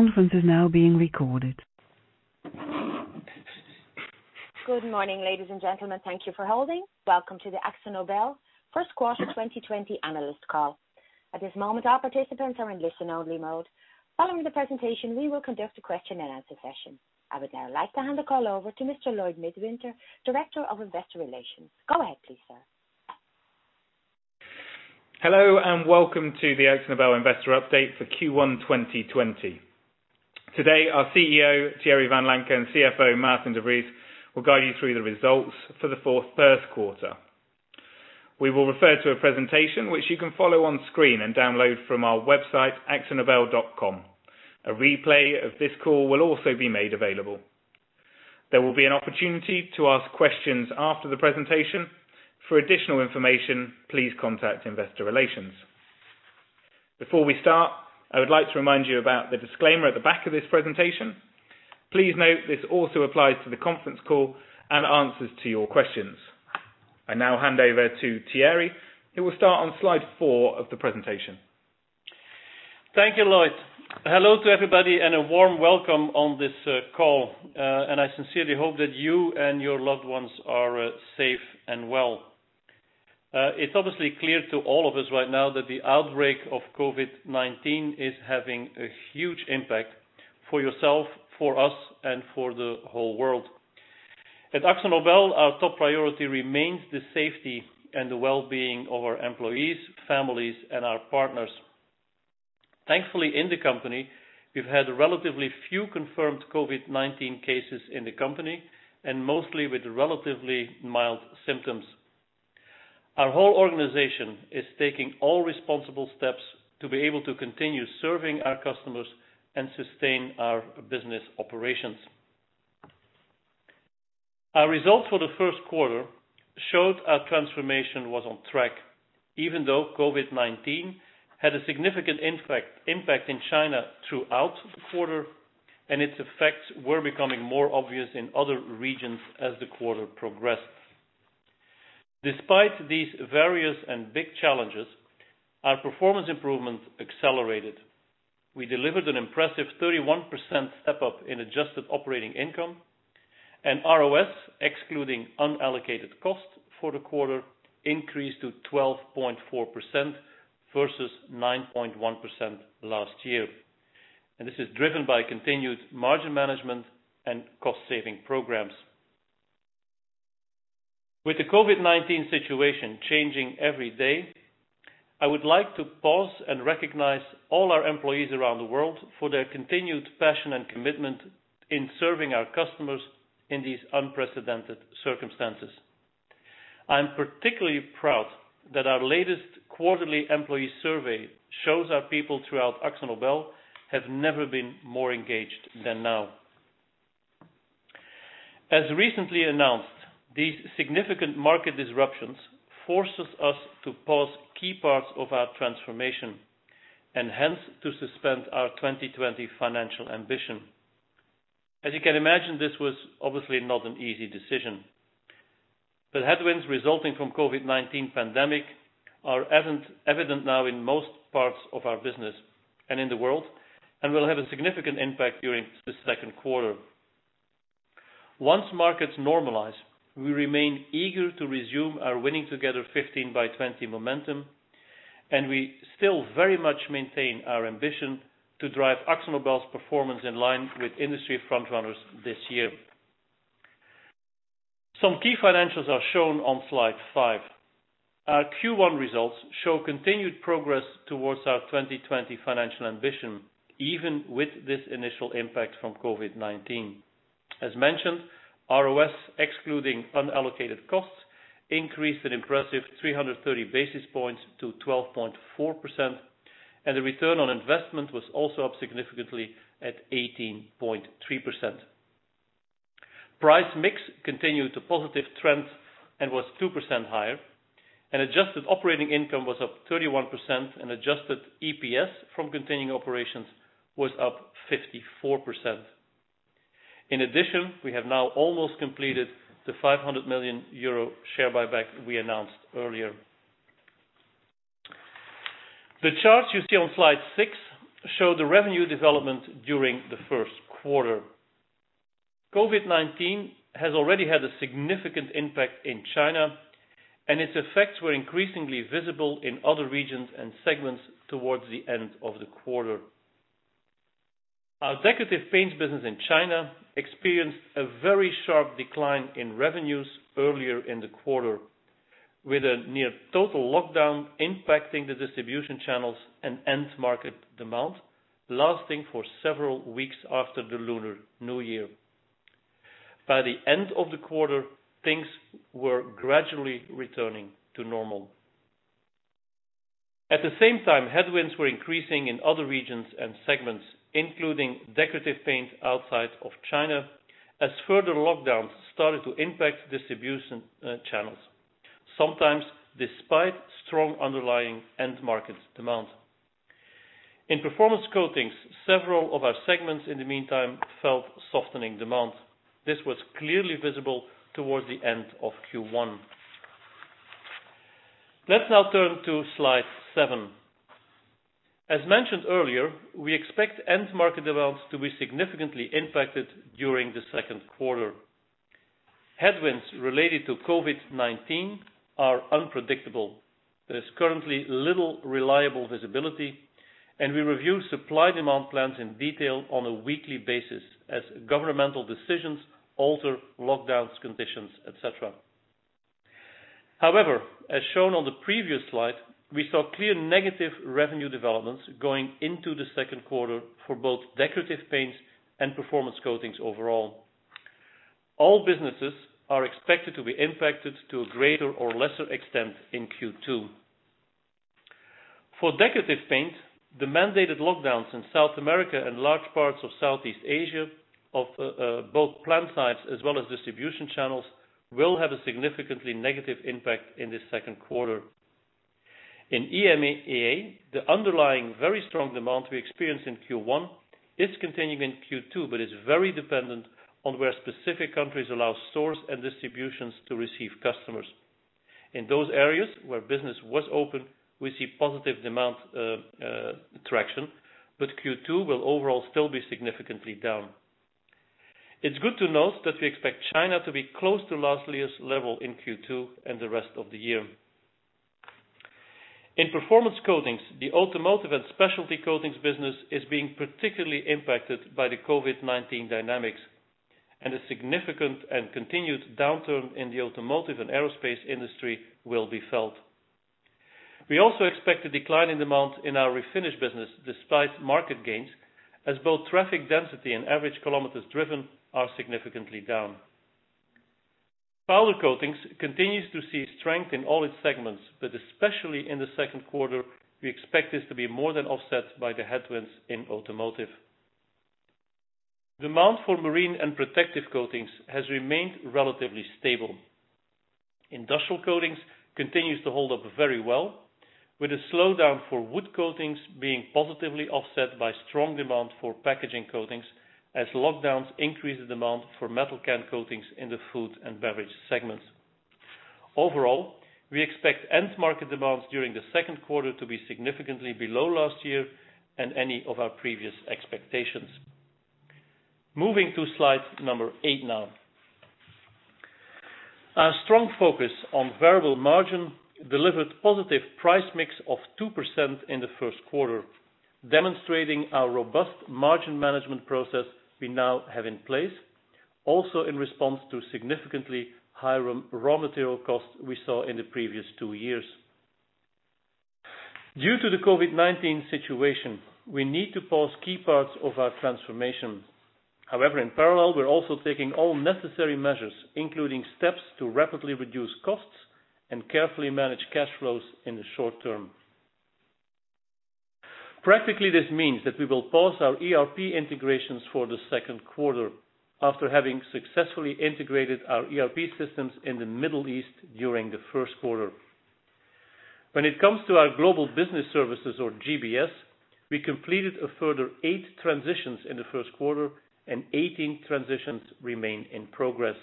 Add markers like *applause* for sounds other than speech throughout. Good morning, ladies and gentlemen. Thank you for holding. Welcome to the AkzoNobel first quarter 2020 analyst call. At this moment, all participants are in listen only mode. Following the presentation, we will conduct a question and answer session. I would now like to hand the call over to Mr. Lloyd Midwinter, Director of Investor Relations. Go ahead please, sir. Hello, and welcome to the AkzoNobel Investor Update for Q1 2020. Today, our Chief Executive Officer, Thierry Vanlancker, and Chief Financial Officer, Maarten de Vries, will guide you through the results for the first quarter. We will refer to a presentation which you can follow on screen and download from our website, akzonobel.com. A replay of this call will also be made available. There will be an opportunity to ask questions after the presentation. For additional information, please contact investor relations. Before we start, I would like to remind you about the disclaimer at the back of this presentation. Please note this also applies to the conference call and answers to your questions. I now hand over to Thierry, who will start on slide four of the presentation. Thank you, Lloyd. Hello to everybody and a warm welcome on this call. I sincerely hope that you and your loved ones are safe and well. It's obviously clear to all of us right now that the outbreak of COVID-19 is having a huge impact for yourself, for us, and for the whole world. At AkzoNobel, our top priority remains the safety and the well-being of our employees, families, and our partners. Thankfully, in the company, we've had relatively few confirmed COVID-19 cases in the company, and mostly with relatively mild symptoms. Our whole organization is taking all responsible steps to be able to continue serving our customers and sustain our business operations. Our results for the first quarter showed our transformation was on track, even though COVID-19 had a significant impact in China throughout the quarter. Its effects were becoming more obvious in other regions as the quarter progressed. Despite these various and big challenges, our performance improvement accelerated. We delivered an impressive 31% step-up in adjusted operating income. ROS, excluding unallocated cost for the quarter, increased to 12.4% versus 9.1% last year. This is driven by continued margin management and cost saving programs. With the COVID-19 situation changing every day, I would like to pause and recognize all our employees around the world for their continued passion and commitment in serving our customers in these unprecedented circumstances. I'm particularly proud that our latest quarterly employee survey shows our people throughout AkzoNobel have never been more engaged than now. As recently announced, these significant market disruptions forces us to pause key parts of our transformation, and hence to suspend our 2020 financial ambition. As you can imagine, this was obviously not an easy decision. The headwinds resulting from COVID-19 pandemic are evident now in most parts of our business and in the world, and will have a significant impact during the second quarter. Once markets normalize, we remain eager to resume our Winning together: 15 by 20 momentum, and we still very much maintain our ambition to drive AkzoNobel's performance in line with industry front runners this year. Some key financials are shown on slide five. Our Q1 results show continued progress towards our 2020 financial ambition, even with this initial impact from COVID-19. As mentioned, ROS, excluding unallocated costs, increased an impressive 330 basis points to 12.4%, and the return on investment was also up significantly at 18.3%. Price mix continued to positive trends and was 2% higher, and adjusted operating income was up 31%, and adjusted EPS from continuing operations was up 54%. In addition, we have now almost completed the 500 million euro share buyback we announced earlier. The charts you see on slide six show the revenue development during the first quarter. COVID-19 has already had a significant impact in China, and its effects were increasingly visible in other regions and segments towards the end of the quarter. Our Decorative Paints business in China experienced a very sharp decline in revenues earlier in the quarter, with a near total lockdown impacting the distribution channels and end market demand, lasting for several weeks after the Lunar New Year. By the end of the quarter, things were gradually returning to normal. At the same time, headwinds were increasing in other regions and segments, including Decorative Paints outside of China, as further lockdowns started to impact distribution channels, sometimes despite strong underlying end market demand. In Performance Coatings, several of our segments, in the meantime, felt softening demand. This was clearly visible towards the end of Q1. Let's now turn to slide seven. As mentioned earlier, we expect end market demands to be significantly impacted during the second quarter. Headwinds related to COVID-19 are unpredictable. There is currently little reliable visibility, and we review supply-demand plans in detail on a weekly basis as governmental decisions alter lockdowns conditions, et cetera. However, as shown on the previous slide, we saw clear negative revenue developments going into the second quarter for both Decorative Paints and Performance Coatings overall. All businesses are expected to be impacted to a greater or lesser extent in Q2. For Decorative Paints, the mandated lockdowns in South America and large parts of Southeast Asia of both plant sites as well as distribution channels will have a significantly negative impact in this second quarter. In EMEIA, the underlying very strong demand we experienced in Q1 is continuing in Q2, but is very dependent on where specific countries allow stores and distributions to receive customers. In those areas where business was open, we see positive demand traction, but Q2 will overall still be significantly down. It's good to note that we expect China to be close to last year's level in Q2 and the rest of the year. In Performance Coatings, the Automotive and Specialty Coatings business is being particularly impacted by the COVID-19 dynamics, and a significant and continued downturn in the automotive and aerospace industry will be felt. We also expect a decline in demand in our refinish business despite market gains, as both traffic density and average kilometers driven are significantly down. Powder coatings continues to see strength in all its segments, but especially in the second quarter, we expect this to be more than offset by the headwinds in automotive. Demand for marine and protective coatings has remained relatively stable. Industrial coatings continues to hold up very well, with a slowdown for wood coatings being positively offset by strong demand for packaging coatings as lockdowns increase the demand for metal can coatings in the food and beverage segments. Overall, we expect end market demands during the second quarter to be significantly below last year and any of our previous expectations. Moving to slide number eight now. Our strong focus on variable margin delivered positive price mix of 2% in the first quarter, demonstrating our robust margin management process we now have in place. Also in response to significantly higher raw material costs we saw in the previous two years. Due to the COVID-19 situation, we need to pause key parts of our transformation. However, in parallel, we're also taking all necessary measures, including steps to rapidly reduce costs and carefully manage cash flows in the short term. Practically, this means that we will pause our ERP integrations for the second quarter, after having successfully integrated our ERP systems in the Middle East during the first quarter. When it comes to our Global Business Services or GBS, we completed a further eight transitions in the first quarter, and 18 transitions remain in progress.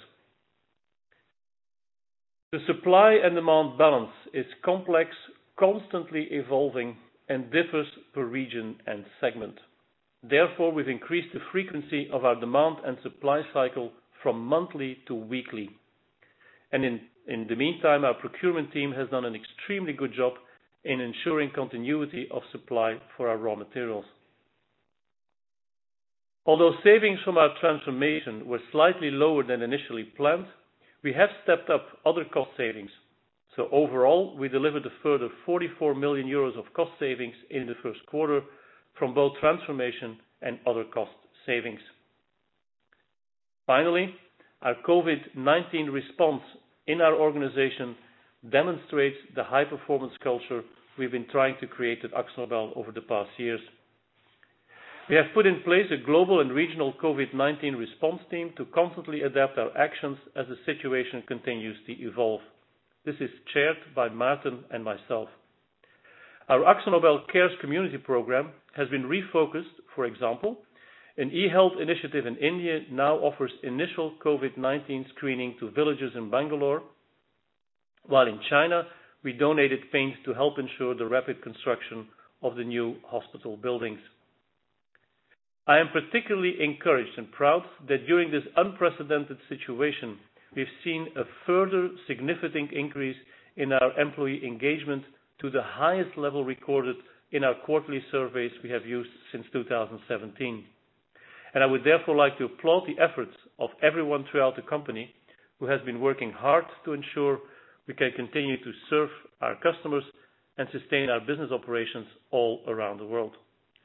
The supply and demand balance is complex, constantly evolving, and differs per region and segment. Therefore, we've increased the frequency of our demand and supply cycle from monthly to weekly. In the meantime, our procurement team has done an extremely good job in ensuring continuity of supply for our raw materials. Although savings from our transformation were slightly lower than initially planned, we have stepped up other cost savings. Overall, we delivered a further 44 million euros of cost savings in the first quarter from both transformation and other cost savings. Finally, our COVID-19 response in our organization demonstrates the high performance culture we've been trying to create at AkzoNobel over the past years. We have put in place a global and regional COVID-19 response team to constantly adapt our actions as the situation continues to evolve. This is chaired by Maarten and myself. Our AkzoNobel Cares community program has been refocused. For example, an e-health initiative in India now offers initial COVID-19 screening to villages in Bangalore. While in China, we donated paint to help ensure the rapid construction of the new hospital buildings. I am particularly encouraged and proud that during this unprecedented situation, we've seen a further significant increase in our employee engagement to the highest level recorded in our quarterly surveys we have used since 2017. I would therefore like to applaud the efforts of everyone throughout the company who has been working hard to ensure we can continue to serve our customers and sustain our business operations all around the world.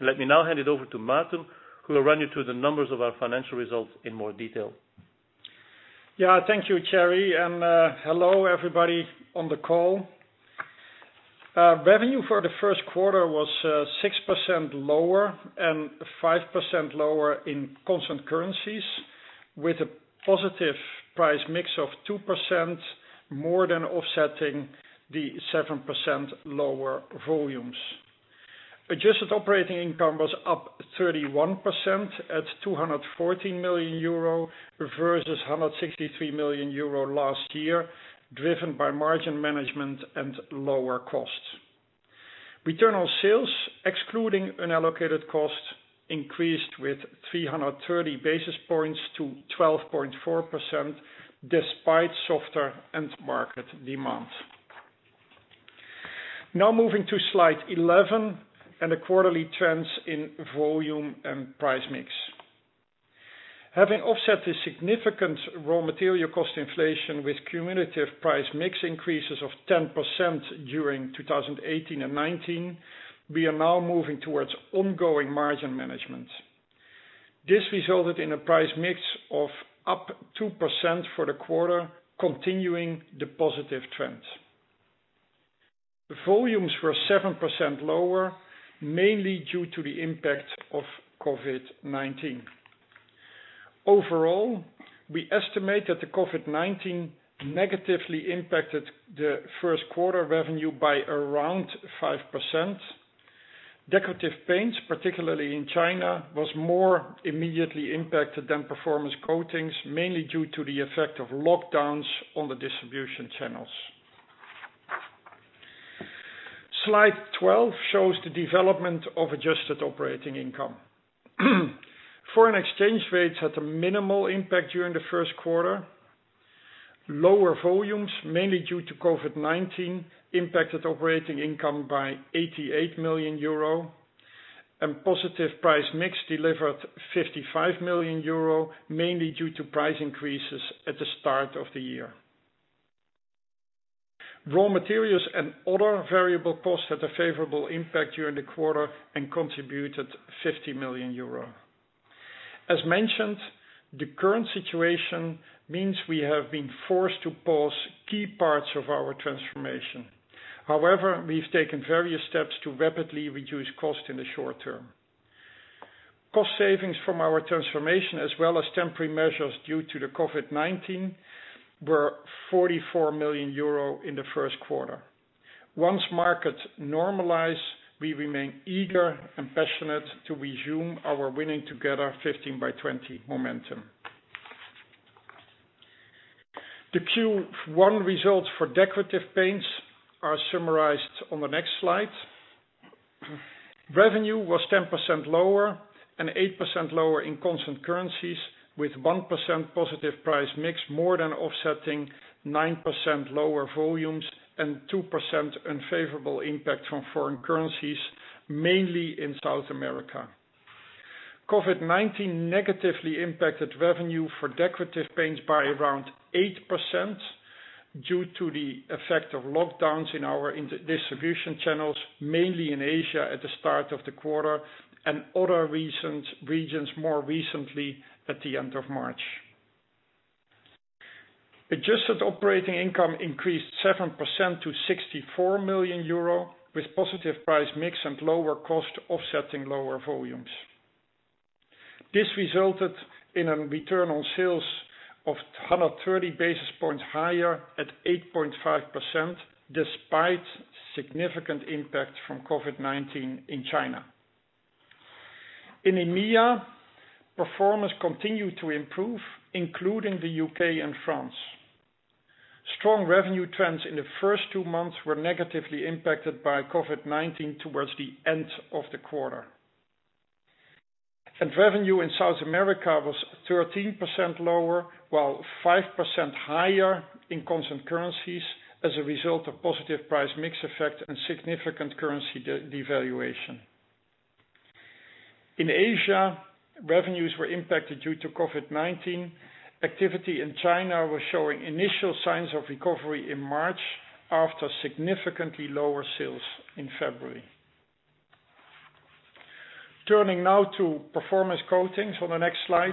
Let me now hand it over to Maarten, who will run you through the numbers of our financial results in more detail. Yeah, thank you, Thierry. Hello everybody on the call. Revenue for the first quarter was 6% lower and 5% lower in constant currencies with a positive price mix of 2% more than offsetting the 7% lower volumes. Adjusted operating income was up 31% at 214 million euro versus 163 million euro last year, driven by margin management and lower costs. Return on sales, excluding unallocated costs, increased with 330 basis points to 12.4% despite softer end market demand. Moving to slide 11 and the quarterly trends in volume and price mix. Having offset the significant raw material cost inflation with cumulative price mix increases of 10% during 2018 and 2019, we are now moving towards ongoing margin management. This resulted in a price mix of up 2% for the quarter, continuing the positive trend. Volumes were 7% lower, mainly due to the impact of COVID-19. Overall, we estimate that the COVID-19 negatively impacted the first quarter revenue by around 5%. Decorative Paints, particularly in China, was more immediately impacted than Performance Coatings, mainly due to the effect of lockdowns on the distribution channels. Slide 12 shows the development of adjusted operating income. Foreign exchange rates had a minimal impact during the first quarter. Lower volumes, mainly due to COVID-19, impacted operating income by 88 million euro, and positive price mix delivered 55 million euro, mainly due to price increases at the start of the year. Raw materials and other variable costs had a favorable impact during the quarter and contributed 50 million euro. As mentioned, the current situation means we have been forced to pause key parts of our transformation. However, we've taken various steps to rapidly reduce cost in the short term. Cost savings from our transformation as well as temporary measures due to the COVID-19 were 44 million euro in the first quarter. Once markets normalize, we remain eager and passionate to resume our Winning together: 15 by 20 momentum. The Q1 results for Decorative Paints are summarized on the next slide. Revenue was 10% lower and 8% lower in constant currencies, with 1% positive price mix more than offsetting 9% lower volumes and 2% unfavorable impact from foreign currencies, mainly in South America. COVID-19 negatively impacted revenue for Decorative Paints by around 8%, due to the effect of lockdowns in our distribution channels, mainly in Asia at the start of the quarter, and other regions more recently at the end of March. Adjusted operating income increased 7% to 64 million euro, with positive price mix and lower cost offsetting lower volumes. This resulted in a return on sales of 130 basis points higher at 8.5%, despite significant impact from COVID-19 in China. In EMEIA, performance continued to improve, including the U.K. and France. Strong revenue trends in the first two months were negatively impacted by COVID-19 towards the end of the quarter. Revenue in South America was 13% lower, while 5% higher in constant currencies as a result of positive price mix effect and significant currency devaluation. In Asia, revenues were impacted due to COVID-19. Activity in China was showing initial signs of recovery in March after significantly lower sales in February. Turning now to Performance Coatings on the next slide.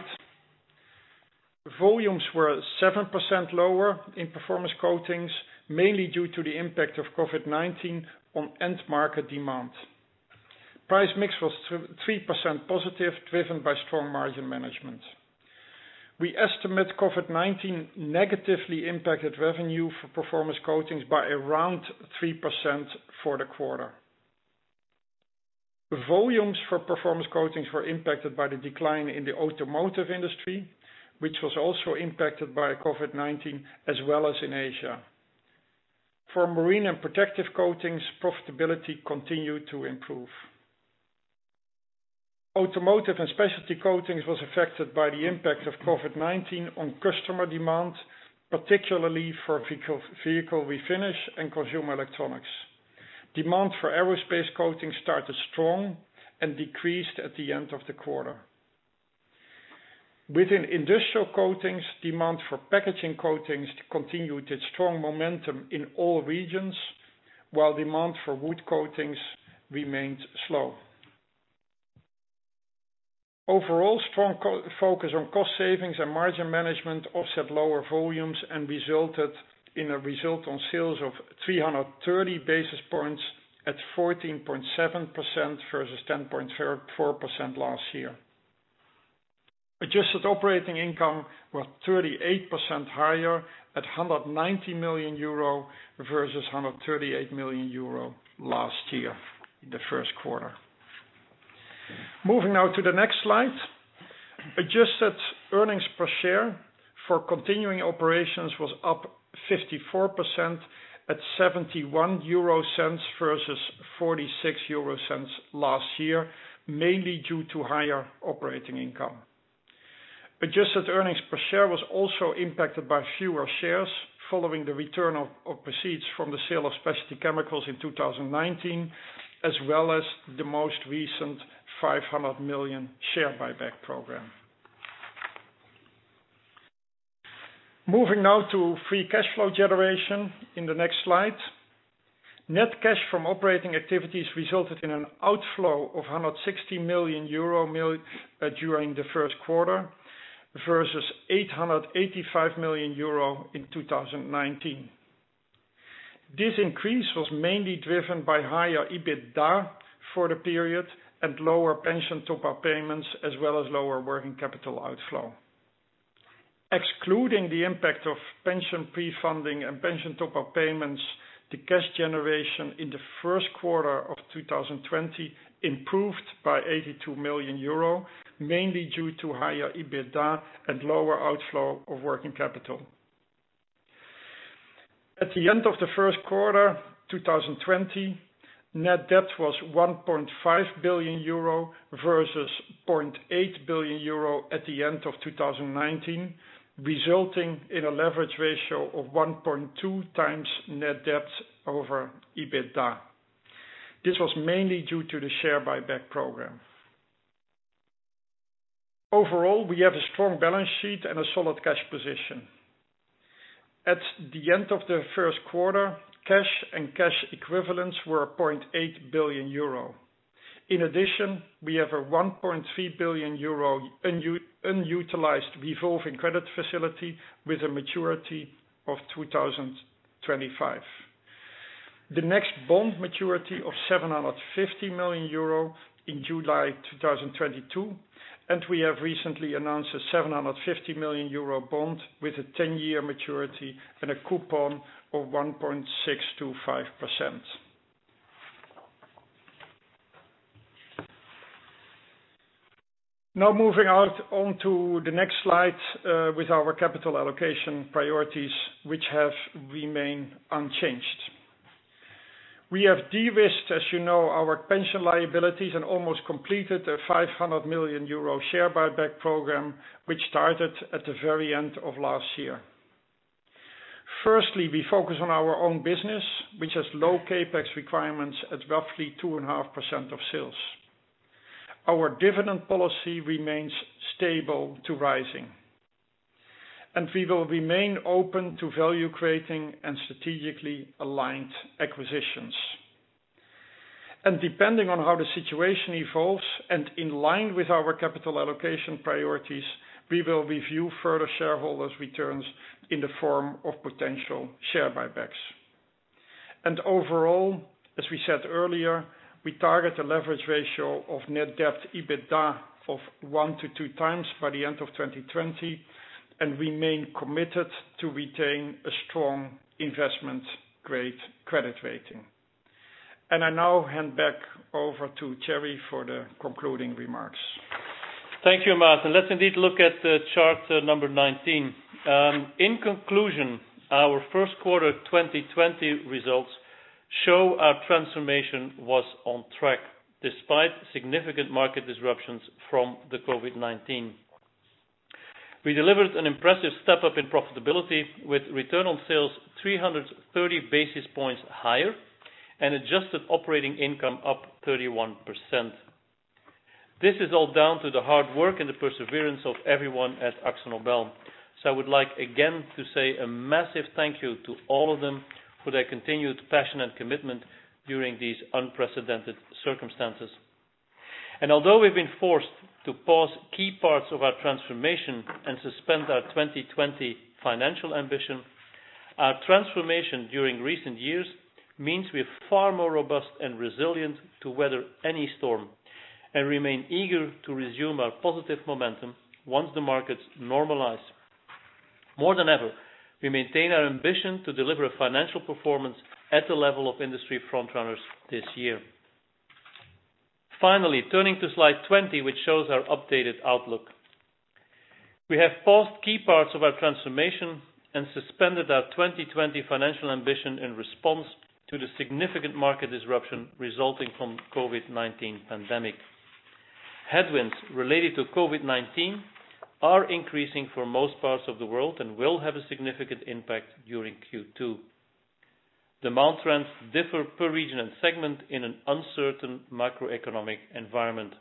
Volumes were 7% lower in Performance Coatings, mainly due to the impact of COVID-19 on end market demand. Price mix was 3% positive, driven by strong margin management. We estimate COVID-19 negatively impacted revenue for Performance Coatings by around 3% for the quarter. Volumes for Performance Coatings were impacted by the decline in the automotive industry, which was also impacted by COVID-19, as well as in Asia. For marine and protective coatings, profitability continued to improve. Automotive and Specialty Coatings was affected by the impact of COVID-19 on customer demand, particularly for vehicle refinish and consumer electronics. Demand for aerospace coatings started strong and decreased at the end of the quarter. Within industrial coatings, demand for packaging coatings continued its strong momentum in all regions, while demand for wood coatings remained slow. Overall, strong focus on cost savings and margin management offset lower volumes and resulted in a ROS of 330 basis points at 14.7% versus 10.4% last year. Adjusted operating income were 38% higher at 190 million euro versus 138 million euro last year in the first quarter. Moving now to the next slide. Adjusted earnings per share for continuing operations was up 54% at 0.71 versus 0.46 last year, mainly due to higher operating income. Adjusted earnings per share was also impacted by fewer shares following the return of proceeds from the sale of Specialty Chemicals in 2019, as well as the most recent 500 million share buyback program. Moving now to free cash flow generation in the next slide. Net cash from operating activities resulted in an outflow of 160 million euro during the first quarter versus 885 million euro in 2019. This increase was mainly driven by higher EBITDA for the period and lower pension top-up payments, as well as lower working capital outflow. Excluding the impact of pension pre-funding and pension top-up payments, the cash generation in the first quarter of 2020 improved by 82 million euro, mainly due to higher EBITDA and lower outflow of working capital. At the end of the first quarter 2020, net debt was 1.5 billion euro versus 0.8 billion euro at the end of 2019, resulting in a leverage ratio of 1.2x net debt over EBITDA. This was mainly due to the share buyback program. Overall, we have a strong balance sheet and a solid cash position. At the end of the first quarter, cash and cash equivalents were 0.8 billion euro. In addition, we have a 1.3 billion euro unutilized revolving credit facility with a maturity of 2025. The next bond maturity of 750 million euro in July 2022. We have recently announced a 750 million euro bond with a 10-year maturity and a coupon of 1.625%. Now moving on to the next slide, with our capital allocation priorities, which have remained unchanged. We have de-risked, as you know, our pension liabilities and almost completed a 500 million euro share buyback program, which started at the very end of last year. Firstly, we focus on our own business, which has low CapEx requirements at roughly 2.5% of sales. Our dividend policy remains stable to rising. We will remain open to value creating and strategically aligned acquisitions. Depending on how the situation evolves and in line with our capital allocation priorities, we will review further shareholders' returns in the form of potential share buybacks. Overall, as we said earlier, we target a leverage ratio of net debt EBITDA of 1-2 times by the end of 2020, and remain committed to retain a strong investment-grade credit rating. I now hand back over to Thierry for the concluding remarks. Thank you, Maarten. Let's indeed look at the chart number 19. In conclusion, our first quarter 2020 results show our transformation was on track despite significant market disruptions from the COVID-19. We delivered an impressive step up in profitability with return on sales 330 basis points higher and adjusted operating income up 31%. This is all down to the hard work and the perseverance of everyone at AkzoNobel. I would like again to say a massive thank you to all of them for their continued passion and commitment during these unprecedented circumstances. Although we've been forced to pause key parts of our transformation and suspend our 2020 financial ambition, our transformation during recent years means we're far more robust and resilient to weather any storm, and remain eager to resume our positive momentum once the markets normalize. More than ever, we maintain our ambition to deliver financial performance at the level of industry front runners this year. Finally, turning to slide 20, which shows our updated outlook. We have paused key parts of our transformation and suspended our 2020 financial ambition in response to the significant market disruption resulting from COVID-19 pandemic. Headwinds related to COVID-19 are increasing for most parts of the world and will have a significant impact during Q2. Demand trends differ per region and segment in an uncertain macroeconomic environment.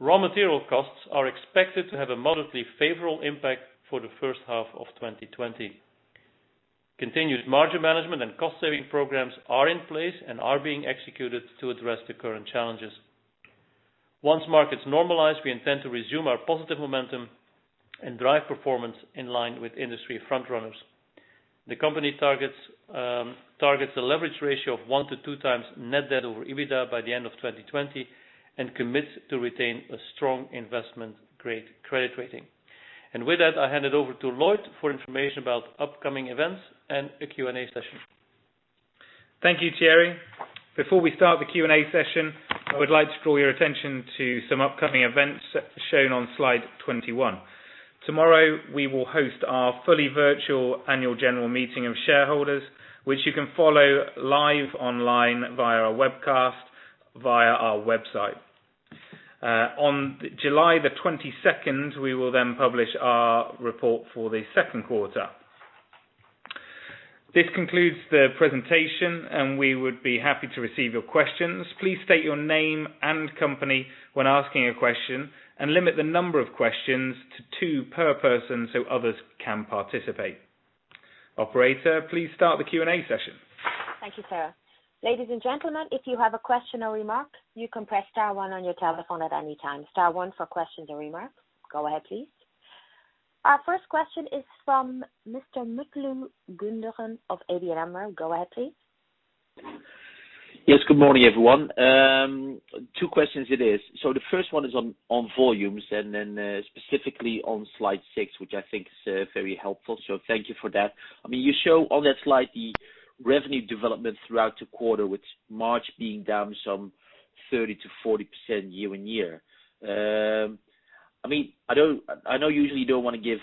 Raw material costs are expected to have a moderately favorable impact for the first half of 2020. Continuous margin management and cost-saving programs are in place and are being executed to address the current challenges. Once markets normalize, we intend to resume our positive momentum and drive performance in line with industry front runners. The company targets the leverage ratio of 1-2 times net debt over EBITDA by the end of 2020 and commits to retain a strong investment-grade credit rating. With that, I hand it over to Lloyd for information about upcoming events and a Q&A session. Thank you, Thierry. Before we start the Q&A session, I would like to draw your attention to some upcoming events shown on slide 21. Tomorrow, we will host our fully virtual Annual General Meeting of Shareholders, which you can follow live online via our webcast via our website. On July 22nd, we will then publish our report for the second quarter. This concludes the presentation, and we would be happy to receive your questions. Please state your name and company when asking a question, and limit the number of questions to two per person so others can participate. Operator, please start the Q&A session. Thank you, sir. Ladies and gentlemen, if you have a question or remark, you can press star one on your telephone at any time. Star one for questions or remarks. Go ahead, please. Our first question is from. *audio distortion* Go ahead, please. Yes, good morning, everyone. Two questions it is. The first one is on volumes and then specifically on slide six, which I think is very helpful. Thank you for that. You show on that slide the revenue development throughout the quarter, with March being down some 30%-40% year-on-year. I know usually you don't want to give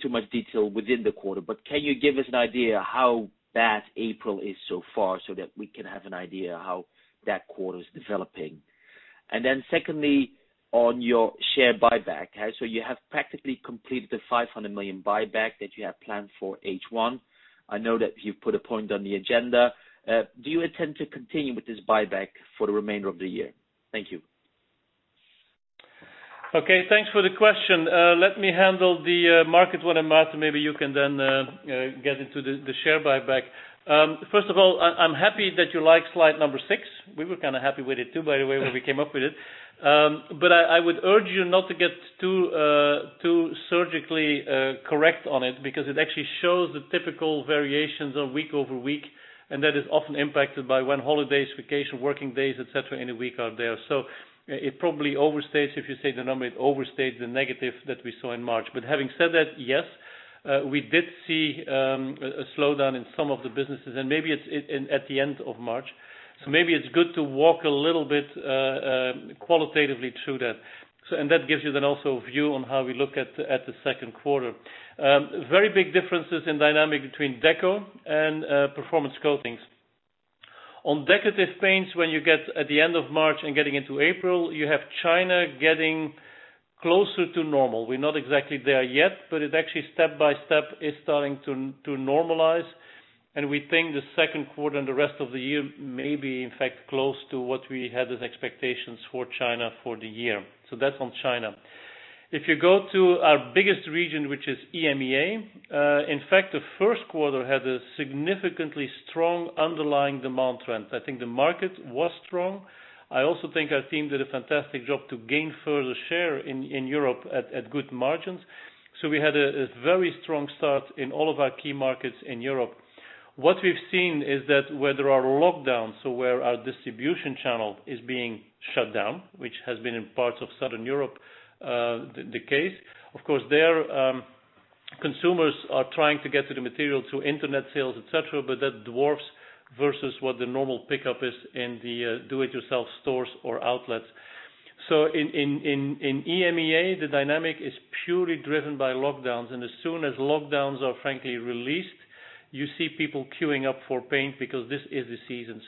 too much detail within the quarter, but can you give us an idea how bad April is so far so that we can have an idea how that quarter is developing? Secondly, on your share buyback. You have practically completed the 500 million buyback that you have planned for H1. I know that you've put a point on the agenda. Do you intend to continue with this buyback for the remainder of the year? Thank you. Okay, thanks for the question. Let me handle the market one, and Maarten, maybe you can then get into the share buyback. First of all, I'm happy that you like slide number six. We were kind of happy with it too, by the way, when we came up with it. I would urge you not to get too surgically correct on it because it actually shows the typical variations of week over week, and that is often impacted by when holidays, vacation, working days, et cetera, in a week are there. It probably overstates, if you say the number, it overstates the negative that we saw in March. Having said that, yes, we did see a slowdown in some of the businesses, and maybe it's at the end of March. Maybe it's good to walk a little bit qualitatively through that. That gives you also a view on how we look at the second quarter. Very big differences in dynamic between Deco and Performance Coatings. On Decorative Paints, when you get at the end of March and getting into April, you have China getting closer to normal. We're not exactly there yet, but it actually step by step is starting to normalize. We think the second quarter and the rest of the year may be in fact close to what we had as expectations for China for the year. That's on China. If you go to our biggest region, which is EMEA, in fact, the first quarter had a significantly strong underlying demand trend. I think the market was strong. I also think our team did a fantastic job to gain further share in Europe at good margins. We had a very strong start in all of our key markets in Europe. What we've seen is that where there are lockdowns, so where our distribution channel is being shut down, which has been in parts of Southern Europe, the case, of course, there, consumers are trying to get to the material through internet sales, et cetera, but that dwarfs versus what the normal pickup is in the do it yourself stores or outlets. In EMEIA, the dynamic is purely driven by lockdowns, and as soon as lockdowns are frankly released, you see people queueing up for paint because this is the season.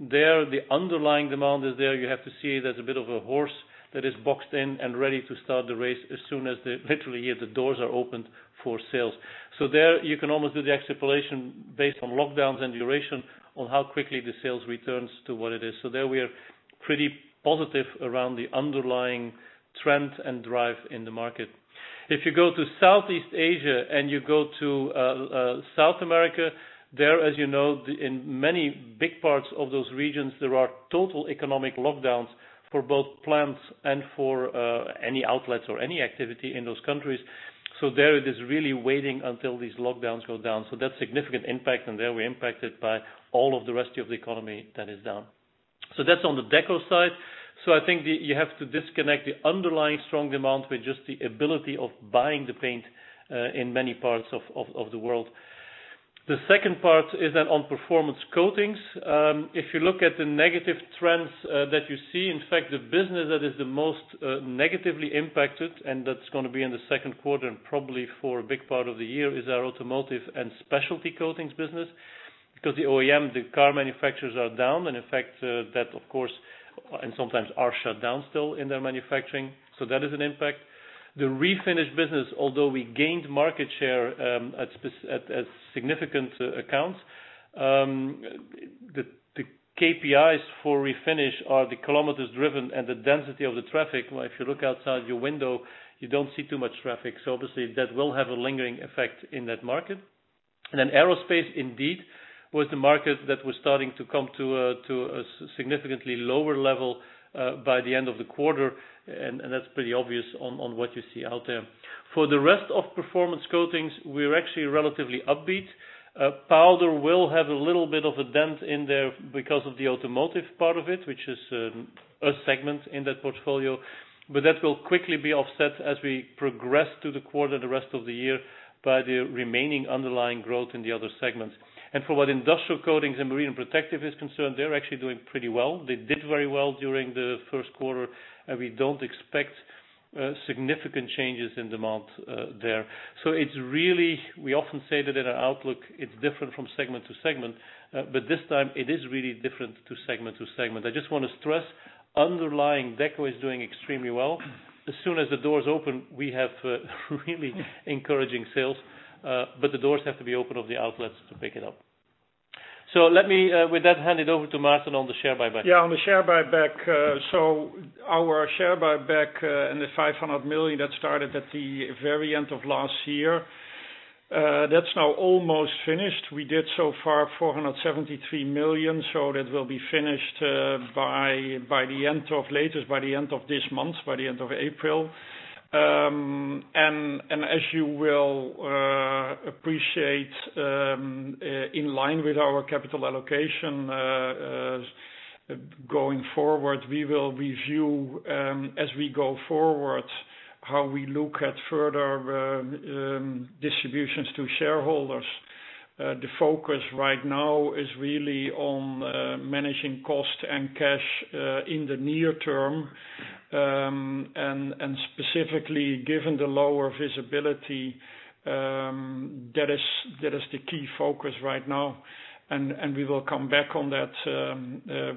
There, the underlying demand is there. You have to see it as a bit of a horse that is boxed in and ready to start the race as soon as the, literally, yeah, the doors are opened for sales. There you can almost do the extrapolation based on lockdowns and duration on how quickly the sales returns to what it is. There we are pretty positive around the underlying trend and drive in the market. If you go to Southeast Asia and you go to South America, there, as you know, in many big parts of those regions, there are total economic lockdowns for both plants and for any outlets or any activity in those countries. There it is really waiting until these lockdowns go down. That's significant impact and there we're impacted by all of the rest of the economy that is down. That's on the Decorative Paints side. I think that you have to disconnect the underlying strong demand with just the ability of buying the paint in many parts of the world. The second part is then on Performance Coatings. If you look at the negative trends that you see, in fact, the business that is the most negatively impacted, and that's going to be in the second quarter and probably for a big part of the year, is our Automotive and Specialty Coatings business. Because the OEM, the car manufacturers are down, and in fact, that of course, and sometimes are shut down still in their manufacturing. That is an impact. The refinish business, although we gained market share at significant accounts, the KPIs for refinish are the kilometers driven and the density of the traffic. Well, if you look outside your window, you don't see too much traffic. Obviously that will have a lingering effect in that market. Aerospace indeed was the market that was starting to come to a significantly lower level by the end of the quarter, and that's pretty obvious on what you see out there. For the rest of Performance Coatings, we're actually relatively upbeat. Powder will have a little bit of a dent in there because of the automotive part of it, which is a segment in that portfolio. That will quickly be offset as we progress through the quarter, the rest of the year, by the remaining underlying growth in the other segments. For what industrial coatings and marine and protective is concerned, they're actually doing pretty well. They did very well during the first quarter, and we don't expect significant changes in demand there. It's really, we often say that in our outlook, it's different from segment to segment. This time it is really different to segment to segment. I just want to stress, underlying Deco is doing extremely well. As soon as the doors open, we have really encouraging sales. The doors have to be open of the outlets to pick it up. Let me, with that, hand it over to Maarten on the share buyback. Yeah, on the share buyback. Our share buyback in the 500 million that started at the very end of last year, that's now almost finished. We did so far 473 million, so that will be finished latest by the end of this month, by the end of April. As you will appreciate, in line with our capital allocation, going forward, we will review as we go forward how we look at further distributions to shareholders. The focus right now is really on managing cost and cash in the near term. Specifically given the lower visibility, that is the key focus right now and we will come back on that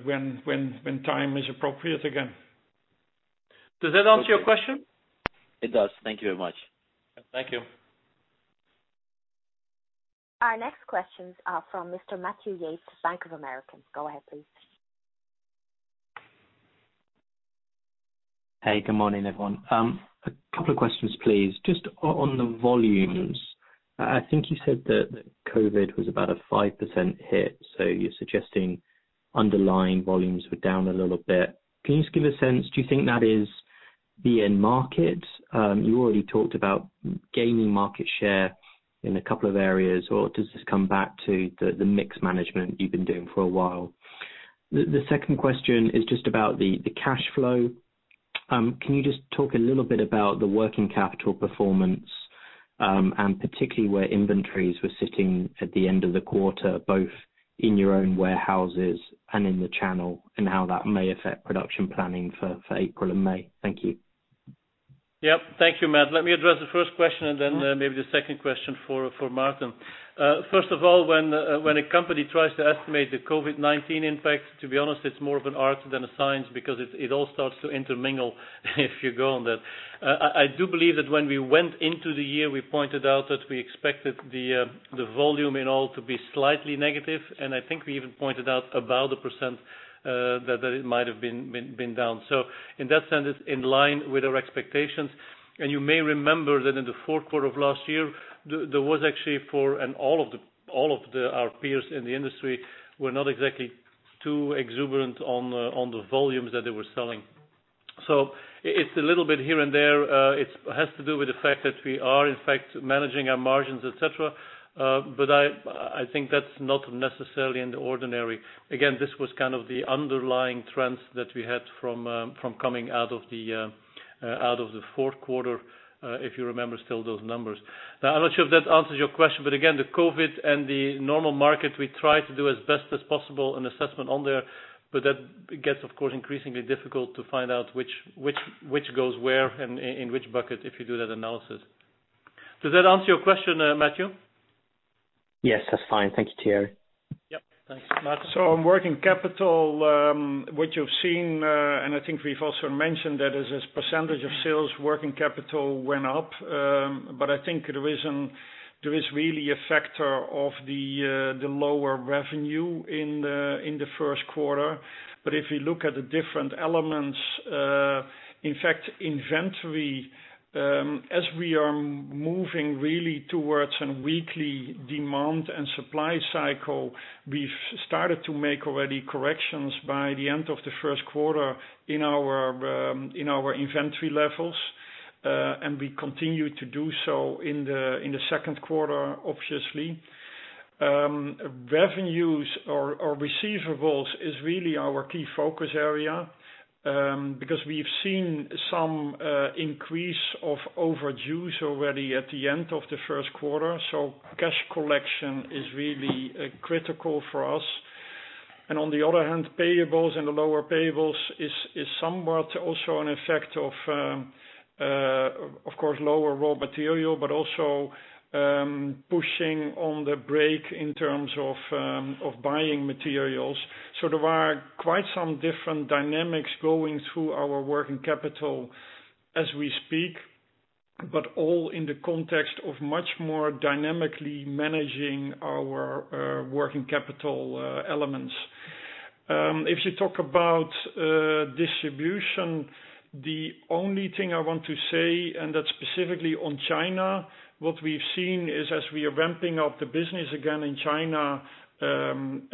when time is appropriate again. Does that answer your question? It does. Thank you very much. Thank you. Our next questions are from Mr. Matthew Yates, Bank of America. Go ahead, please. Hey, good morning, everyone. A couple of questions, please. Just on the volumes. I think you said that COVID was about a 5% hit, so you're suggesting underlying volumes were down a little bit. Can you just give a sense, do you think that is the end market? You already talked about gaining market share in a couple of areas, or does this come back to the mix management you've been doing for a while? The second question is just about the cash flow. Can you just talk a little bit about the working capital performance, and particularly where inventories were sitting at the end of the quarter, both in your own warehouses and in the channel, and how that may affect production planning for April and May? Thank you. Yep. Thank you, Matthew. Let me address the first question and then maybe the second question for Maarten. First of all, when a company tries to estimate the COVID-19 impact, to be honest, it's more of an art than a science because it all starts to intermingle if you go on that. I do believe that when we went into the year, we pointed out that we expected the volume in all to be slightly negative. I think we even pointed out about the percentage that it might have been down. In that sense, it's in line with our expectations. You may remember that in the fourth quarter of last year, there was actually. All of our peers in the industry were not exactly too exuberant on the volumes that they were selling. It's a little bit here and there. It has to do with the fact that we are in fact managing our margins, et cetera. I think that's not necessarily in the ordinary. Again, this was kind of the underlying trends that we had from coming out of the fourth quarter, if you remember still those numbers. I'm not sure if that answers your question, but again, the COVID-19 and the normal market, we try to do as best as possible an assessment on there. That gets, of course, increasingly difficult to find out which goes where and in which bucket if you do that analysis. Does that answer your question, Matthew? Yes, that's fine. Thank you, Thierry. Yep. Thanks. Maarten? On working capital, what you've seen, and I think we've also mentioned that as a percentage of sales, working capital went up. I think there is really a factor of the lower revenue in the first quarter. If we look at the different elements, in fact inventory as we are moving really towards a weekly demand and supply cycle, we've started to make already corrections by the end of the first quarter in our inventory levels. We continue to do so in the second quarter, obviously. Revenues or receivables is really our key focus area, because we've seen some increase of overages already at the end of the first quarter. Cash collection is really critical for us. On the other hand, payables and the lower payables is somewhat also an effect of course lower raw material, but also pushing on the brake in terms of buying materials. There are quite some different dynamics going through our working capital as we speak, but all in the context of much more dynamically managing our working capital elements. If you talk about distribution, the only thing I want to say, and that's specifically on China, what we've seen is as we are ramping up the business again in China in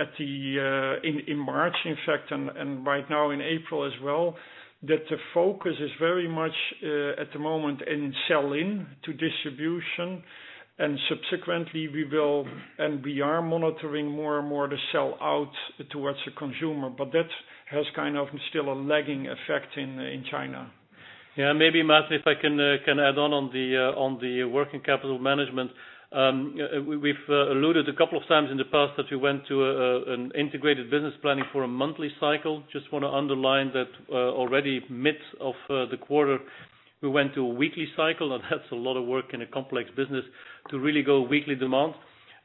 March, in fact, and right now in April as well, that the focus is very much at the moment in sell in to distribution. Subsequently we will, and we are monitoring more and more the sell out towards the consumer. That has kind of still a lagging effect in China. Yeah, maybe Maarten, if I can add on the working capital management. We've alluded a couple of times in the past that we went to an integrated business planning for a monthly cycle. Just want to underline that already mid of the quarter, we went to a weekly cycle. That's a lot of work in a complex business to really go weekly demand.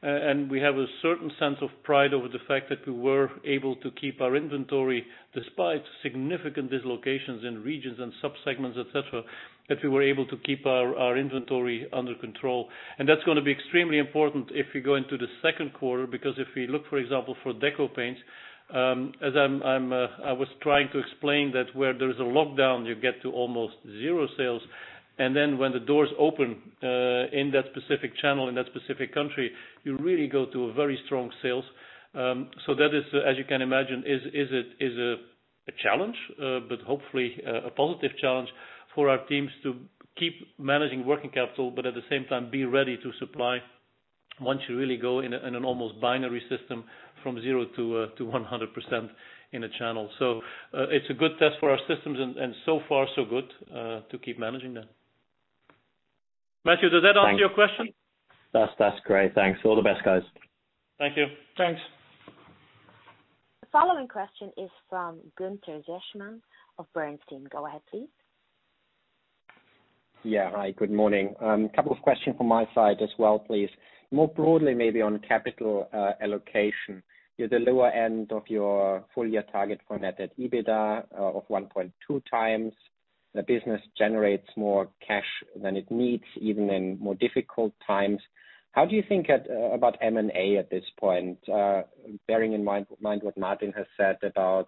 We have a certain sense of pride over the fact that we were able to keep our inventory, despite significant dislocations in regions and subsegments, et cetera, that we were able to keep our inventory under control. That's going to be extremely important if we go into the second quarter, because if we look, for example, for Deco Paints, as I was trying to explain that where there is a lockdown, you get to almost zero sales. When the doors open in that specific channel, in that specific country, you really go to a very strong sales. That is, as you can imagine, is a challenge, but hopefully a positive challenge for our teams to keep managing working capital, but at the same time, be ready to supply once you really go in an almost binary system from 0%-100% in a channel. It's a good test for our systems and so far so good to keep managing that. Matthew, does that answer your question? That's great. Thanks. All the best guys. Thank you. Thanks. The following question is from Gunther Zechmann of Bernstein. Go ahead, please. Hi, good morning. A couple of questions from my side as well please. More broadly, maybe on capital allocation. You're the lower end of your full year target for net debt EBITDA of 1.2x. The business generates more cash than it needs, even in more difficult times. How do you think about M&A at this point? Bearing in mind what Maarten has said about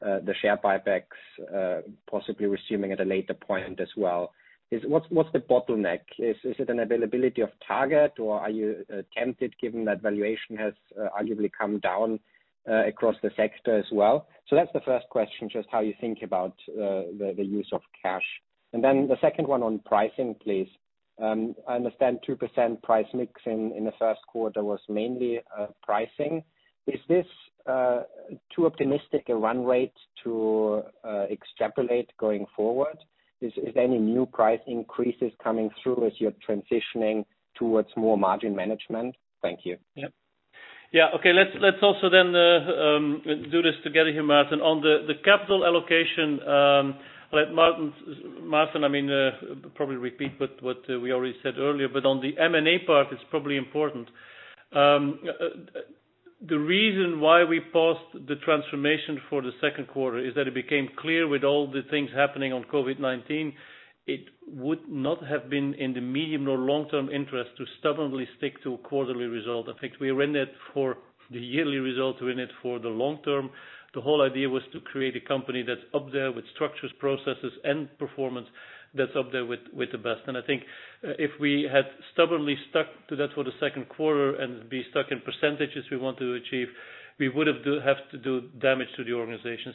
the share buybacks possibly resuming at a later point as well. What's the bottleneck? Is it an availability of target, or are you tempted given that valuation has arguably come down across the sector as well? That's the first question, just how you think about the use of cash. The second one on pricing, please. I understand 2% price mix in the first quarter was mainly pricing. Is this too optimistic a run rate to extrapolate going forward? Is any new price increases coming through as you're transitioning towards more margin management? Thank you. Okay. Let's also do this together here, Maarten. On the capital allocation, Maarten, probably repeat what we already said earlier. On the M&A part, it's probably important. The reason why we paused the transformation for the second quarter is that it became clear with all the things happening on COVID-19, it would not have been in the medium or long-term interest to stubbornly stick to a quarterly result. In fact, we were in it for the yearly result. We're in it for the long-term. The whole idea was to create a company that's up there with structures, processes, and performance that's up there with the best. I think if we had stubbornly stuck to that for the second quarter and be stuck in percentages we want to achieve, we would have to do damage to the organization.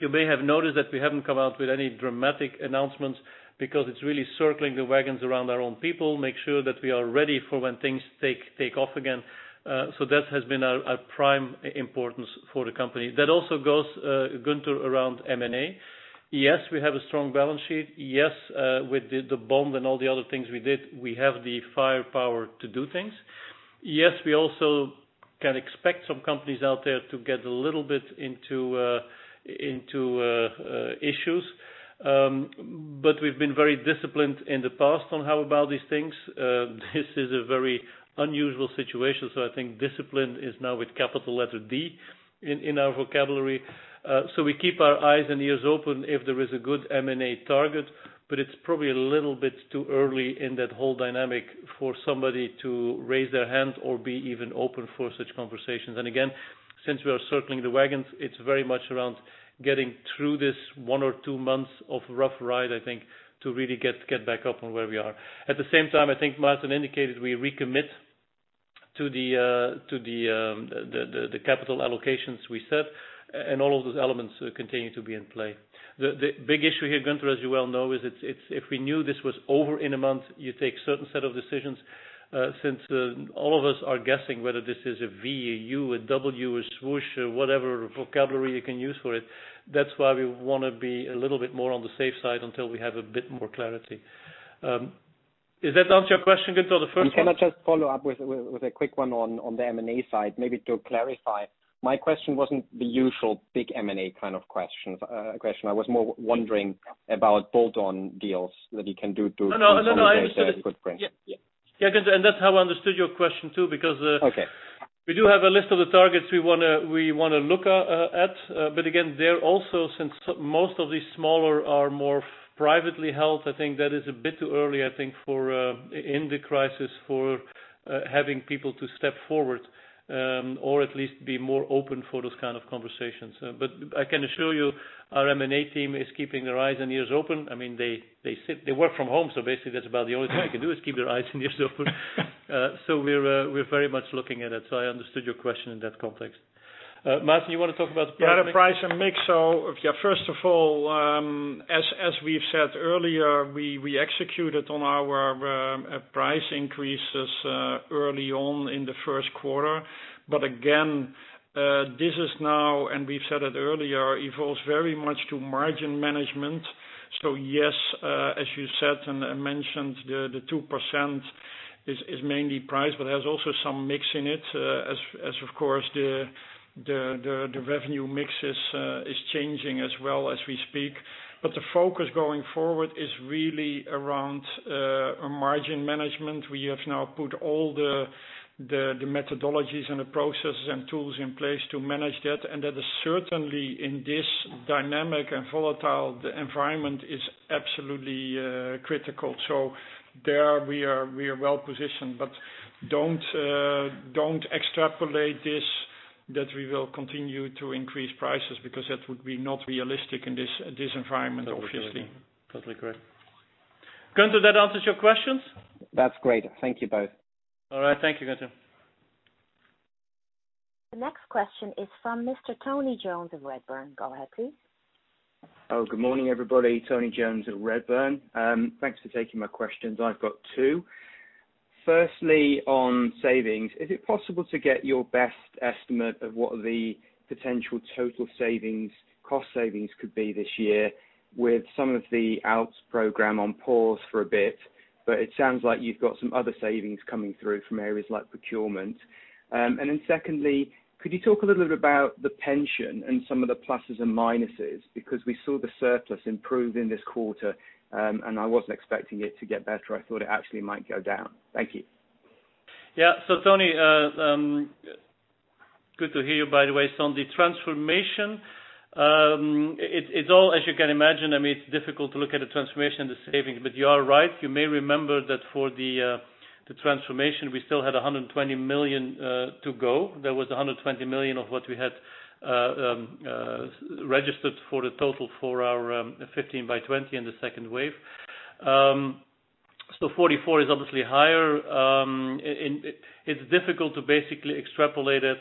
You may have noticed that we haven't come out with any dramatic announcements because it's really circling the wagons around our own people, make sure that we are ready for when things take off again. That has been our prime importance for the company. That also goes, Gunther, around M&A. Yes, we have a strong balance sheet. Yes, with the bond and all the other things we did, we have the firepower to do things. Yes, we also can expect some companies out there to get a little bit into issues. We've been very disciplined in the past on how about these things. This is a very unusual situation, so I think discipline is now with capital letter D in our vocabulary. We keep our eyes and ears open if there is a good M&A target, but it's probably a little bit too early in that whole dynamic for somebody to raise their hand or be even open for such conversations. Again, since we are circling the wagons, it's very much around getting through this one or two months of rough ride, I think, to really get back up on where we are. At the same time, I think Maarten indicated we recommit to the capital allocations we set, and all of those elements continue to be in play. The big issue here, Gunther, as you well know, is if we knew this was over in a month, you take certain set of decisions. Since all of us are guessing whether this is a V, U, W, a swoosh, or whatever vocabulary you can use for it, that's why we want to be a little bit more on the safe side until we have a bit more clarity. Does that answer your question, Gunther, the first one? Can I just follow up with a quick one on the M&A side, maybe to clarify? My question wasn't the usual big M&A kind of question. I was more wondering about bolt-on deals that you can do to. No, I understand. Good point. Yeah. Yeah, Gunther, that's how I understood your question, too. Okay We do have a list of the targets we want to look at. Again, they're also, since most of these smaller are more privately held, I think that is a bit too early, I think in the crisis for having people to step forward. At least be more open for those kind of conversations. I can assure you, our M&A team is keeping their eyes and ears open. They work from home basically that's about the only thing they can do is keep their eyes and ears open. We're very much looking at it. I understood your question in that context. Maarten, you want to talk about the price mix? The price and mix. First of all, as we've said earlier, we executed on our price increases early on in the first quarter. Again, this is now, and we've said it earlier, evolves very much to margin management. Yes, as you said and mentioned the 2% is mainly price but there's also some mix in it, as of course the revenue mix is changing as well as we speak. The focus going forward is really around margin management. We have now put all the methodologies and the processes and tools in place to manage that, and that certainly in this dynamic and volatile environment is absolutely critical. There we are well positioned. Don't extrapolate this, that we will continue to increase prices because that would be not realistic in this environment, obviously. Totally correct. Gunther, that answers your questions? That's great. Thank you both. All right. Thank you, Gunther. The next question is from Mr. Tony Jones of Redburn. Go ahead, please. Good morning, everybody. Tony Jones at Redburn. Thanks for taking my questions. I've got two. Firstly, on savings, is it possible to get your best estimate of what the potential total cost savings could be this year with some of the outs program on pause for a bit, but it sounds like you've got some other savings coming through from areas like procurement. Secondly, could you talk a little bit about the pension and some of the pluses and minuses, because we saw the surplus improve in this quarter, and I wasn't expecting it to get better. I thought it actually might go down. Thank you. Tony, good to hear you by the way. On the transformation, it's all as you can imagine, it's difficult to look at the transformation and the savings. You are right, you may remember that for the transformation, we still had 120 million to go. There was 120 million of what we had registered for the total for our 15 by 20 in the second wave. 44 is obviously higher. It's difficult to basically extrapolate it.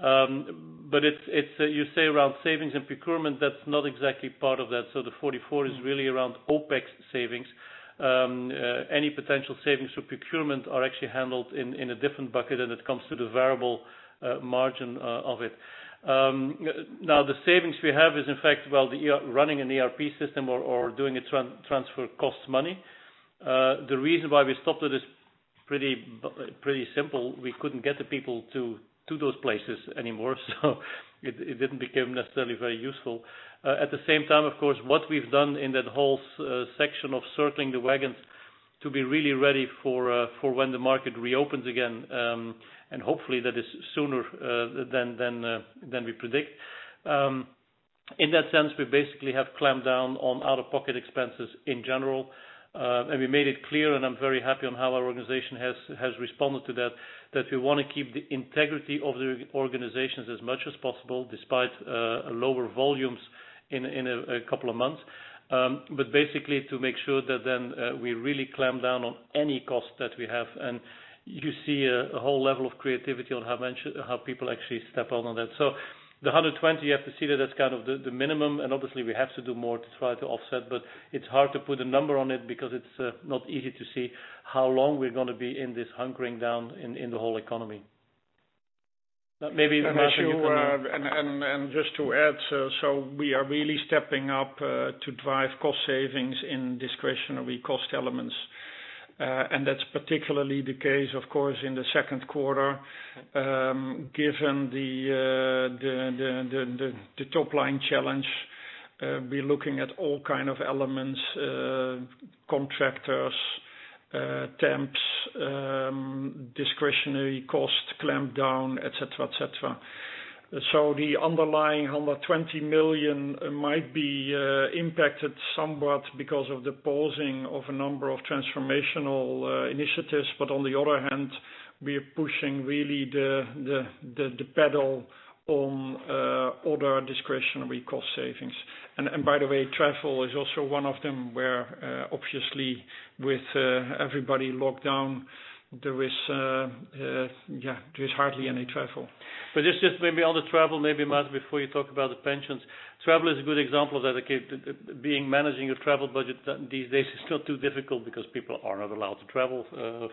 You say around savings and procurement, that's not exactly part of that. The 44 is really around OPEX savings. Any potential savings through procurement are actually handled in a different bucket, and it comes through the variable margin of it. Now, the savings we have is in fact, well, running an ERP system or doing a transfer costs money. The reason why we stopped it is pretty simple. We couldn't get the people to those places anymore, it didn't become necessarily very useful. At the same time, of course, what we've done in that whole section of circling the wagons to be really ready for when the market reopens again, hopefully that is sooner than we predict. In that sense, we basically have clamped down on out-of-pocket expenses in general. We made it clear, and I'm very happy on how our organization has responded to that we want to keep the integrity of the organizations as much as possible, despite lower volumes in a couple of months. Basically to make sure that then we really clamp down on any cost that we have. You see a whole level of creativity on how people actually step up on that. The 120, you have to see that's kind of the minimum, and obviously we have to do more to try to offset. It's hard to put a number on it because it's not easy to see how long we're going to be in this hunkering down in the whole economy, maybe Maarten. We are really stepping up to drive cost savings in discretionary cost elements. That's particularly the case, of course, in the second quarter, given the top line challenge. We're looking at all kind of elements, contractors, temps, discretionary cost clamp down, et cetera. The underlying 120 million might be impacted somewhat because of the pausing of a number of transformational initiatives. On the other hand, we are pushing really the pedal on other discretionary cost savings. By the way, travel is also one of them where obviously with everybody locked down, there is hardly any travel. Just maybe on the travel, maybe Maarten, before you talk about the pensions. Travel is a good example of that. Managing your travel budget these days is not too difficult because people are not allowed to travel,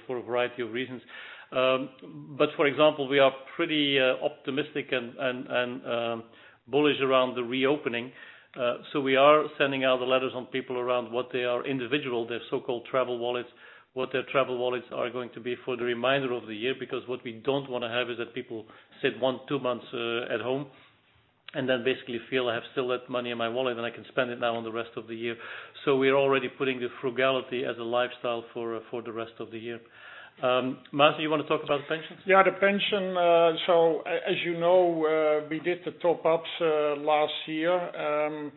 for a variety of reasons. For example, we are pretty optimistic and bullish around the reopening. We are sending out the letters on people around what they are individual, their so-called travel wallets, what their travel wallets are going to be for the remainder of the year. What we don't want to have is that people sit one, two months at home and then basically feel I have still that money in my wallet and I can spend it now on the rest of the year. We are already putting the frugality as a lifestyle for the rest of the year. Maarten, you want to talk about the pensions? Yeah, the pension. As you know, we did the top-ups last year.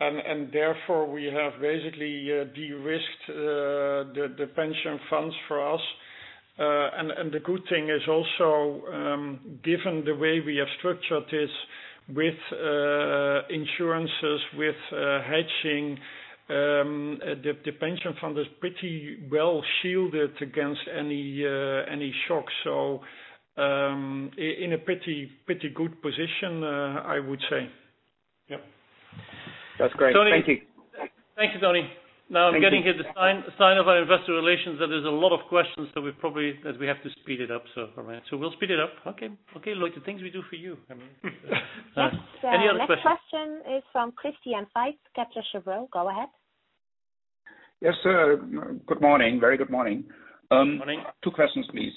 Therefore we have basically de-risked the pension funds for us. The good thing is also, given the way we have structured this with insurances, with hedging, the pension fund is pretty well shielded against any shocks. In a pretty good position, I would say. Yep. That's great. Thank you. Thank you, Tony. I'm getting here the sign of our investor relations that there's a lot of questions, so we have to speed it up, so we'll speed it up. Look, the things we do for you, I mean. Any other questions? Next question is from Christian Faitz, Kepler Cheuvreux. Go ahead. Yes, good morning. Very good morning. Morning. Two questions, please.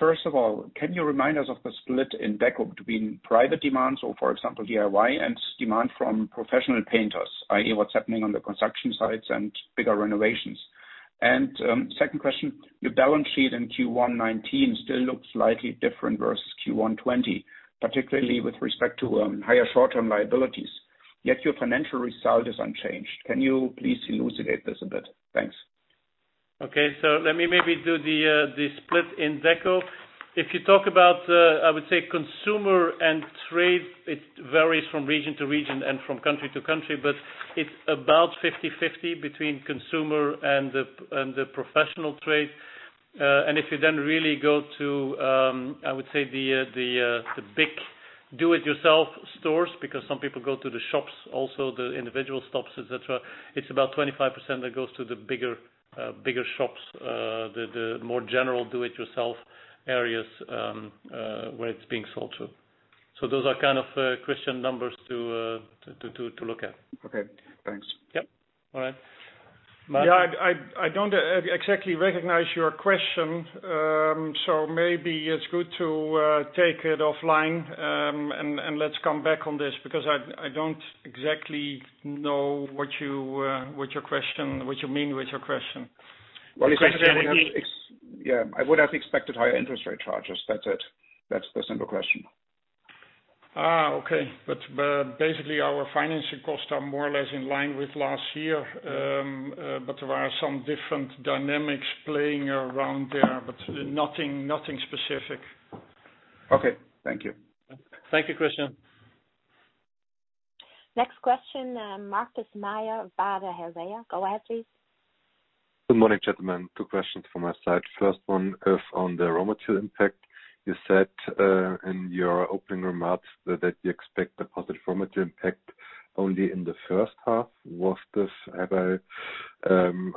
First of all, can you remind us of the split in Deco between private demand, so for example, DIY, and demand from professional painters, i.e., what's happening on the construction sites and bigger renovations? Second question, your balance sheet in Q1 2019 still looks slightly different versus Q1 2020, particularly with respect to higher short-term liabilities, yet your financial result is unchanged. Can you please elucidate this a bit? Thanks. Okay. Let me maybe do the split in Deco. If you talk about, I would say, consumer and trade, it varies from region to region and from country to country. It's about 50/50 between consumer and the professional trade. If you then really go to, I would say the big do-it-yourself stores, because some people go to the shops, also the individual stops, et cetera. It's about 25% that goes to the bigger shops, the more general do-it-yourself areas, where it's being sold to. Those are kind of Christian numbers to look at. Okay, thanks. Yep. All right. Maarten? Yeah, I don't exactly recognize your question. Maybe it's good to take it offline, and let's come back on this because I don't exactly know what you mean with your question. Well, you said that. Yeah, I would have expected higher interest rate charges. That's it. That's the simple question. Okay. Basically our financing costs are more or less in line with last year. There are some different dynamics playing around there, but nothing specific. Okay. Thank you. Thank you, Christian. Next question, Markus Mayer of Baader Helvea. Go ahead, please. Good morning, gentlemen. Two questions from my side. First one is on the raw material impact. You said, in your opening remarks that you expect a positive raw material impact only in the first half. Have I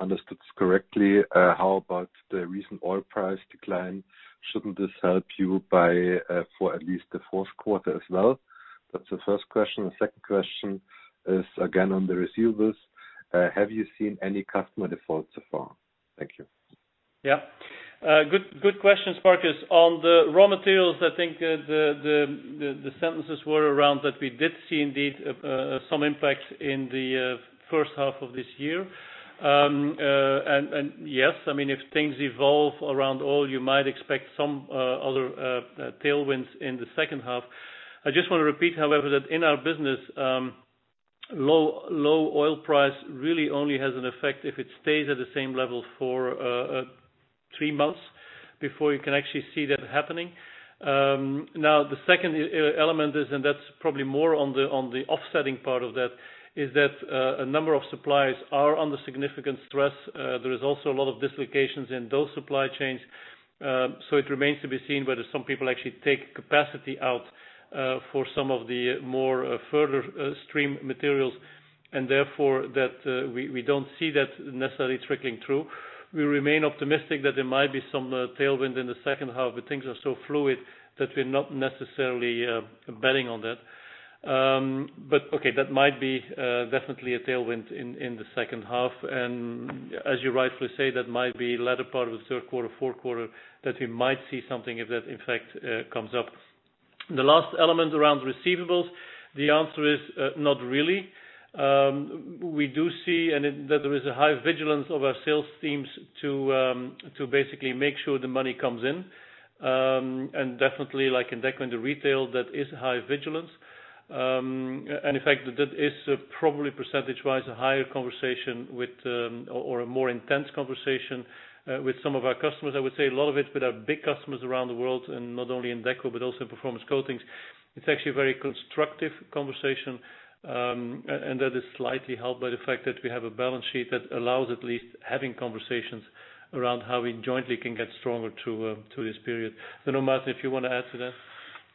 understood this correctly? How about the recent oil price decline? Shouldn't this help you for at least the fourth quarter as well? That's the first question. The second question is again on the receivables. Have you seen any customer defaults so far? Thank you. Good question, Markus. On the raw materials, I think the sentences were around that we did see indeed some impact in the first half of this year. Yes, if things evolve around oil, you might expect some other tailwinds in the second half. I just want to repeat, however, that in our business, low oil price really only has an effect if it stays at the same level for three months before you can actually see that happening. The second element is, and that's probably more on the offsetting part of that, is that a number of suppliers are under significant stress. There is also a lot of dislocations in those supply chains. It remains to be seen whether some people actually take capacity out for some of the more further stream materials, and therefore, that we don't see that necessarily trickling through. We remain optimistic that there might be some tailwind in the second half. Things are so fluid that we're not necessarily betting on that. Okay, that might be definitely a tailwind in the second half, and as you rightfully say, that might be latter part of the third quarter, fourth quarter, that we might see something if that in fact comes up. The last element around receivables, the answer is not really. We do see that there is a high vigilance of our sales teams to basically make sure the money comes in. Definitely like in Deco and the retail, that is high vigilance. In fact, that is probably percentage-wise, a higher conversation or a more intense conversation with some of our customers. I would say a lot of it with our big customers around the world and not only in Deco but also in Performance Coatings. It's actually a very constructive conversation, and that is slightly helped by the fact that we have a balance sheet that allows at least having conversations around how we jointly can get stronger through this period. I don't know, Maarten, if you want to add to that?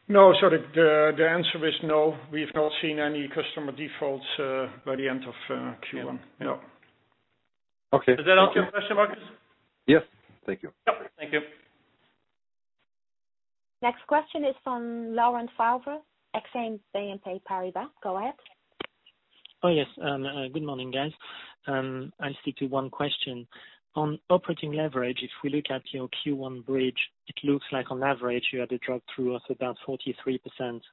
No. Sorry. The answer is no. We've not seen any customer defaults by the end of Q1. Yeah. Okay. Thank you. Does that answer your question, Markus? Yes. Thank you. Yep. Thank you. Next question is from Laurent Favre, Exane BNP Paribas. Go ahead. Oh, yes. Good morning, guys. I stick to one question. On operating leverage, if we look at your Q1 bridge, it looks like on average, you had a drop through us about 43%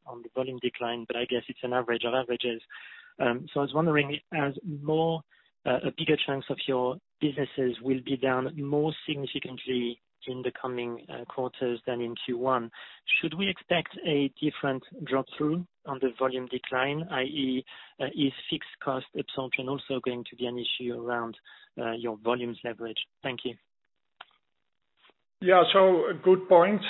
on the volume decline, I guess it's an average of averages. I was wondering, as a bigger chunk of your businesses will be down more significantly in the coming quarters than in Q1, should we expect a different drop through on the volume decline, i.e., is fixed cost absorption also going to be an issue around your volumes leverage? Thank you. Yeah. A good point.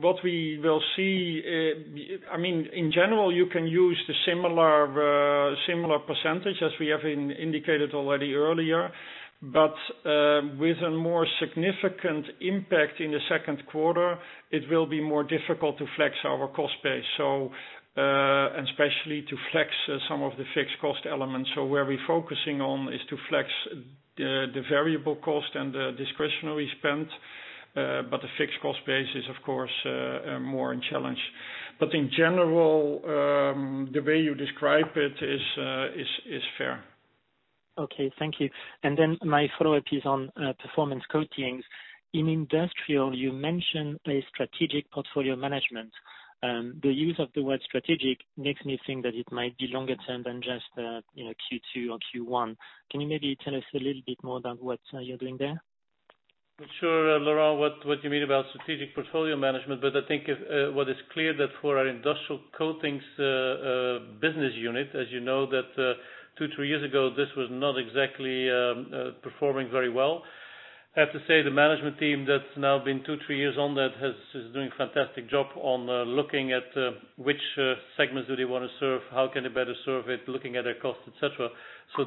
What we will see in general, you can use the similar percentage as we have indicated already earlier. With a more significant impact in the second quarter, it will be more difficult to flex our cost base, and especially to flex some of the fixed cost elements. Where we're focusing on is to flex the variable cost and the discretionary spend. The fixed cost base is of course, more in challenge. In general, the way you describe it is fair. Okay. Thank you. My follow-up is on Performance Coatings. In industrial, you mentioned a strategic portfolio management. The use of the word strategic makes me think that it might be longer term than just Q2 or Q1. Can you maybe tell us a little bit more about what you're doing there? Not sure, Laurent, what you mean about strategic portfolio management, but I think what is clear that for our Industrial Coatings business unit, as you know that two, three years ago, this was not exactly performing very well. I have to say, the management team that's now been two, three years on that is doing a fantastic job on looking at which segments do they want to serve, how can they better serve it, looking at their cost, et cetera.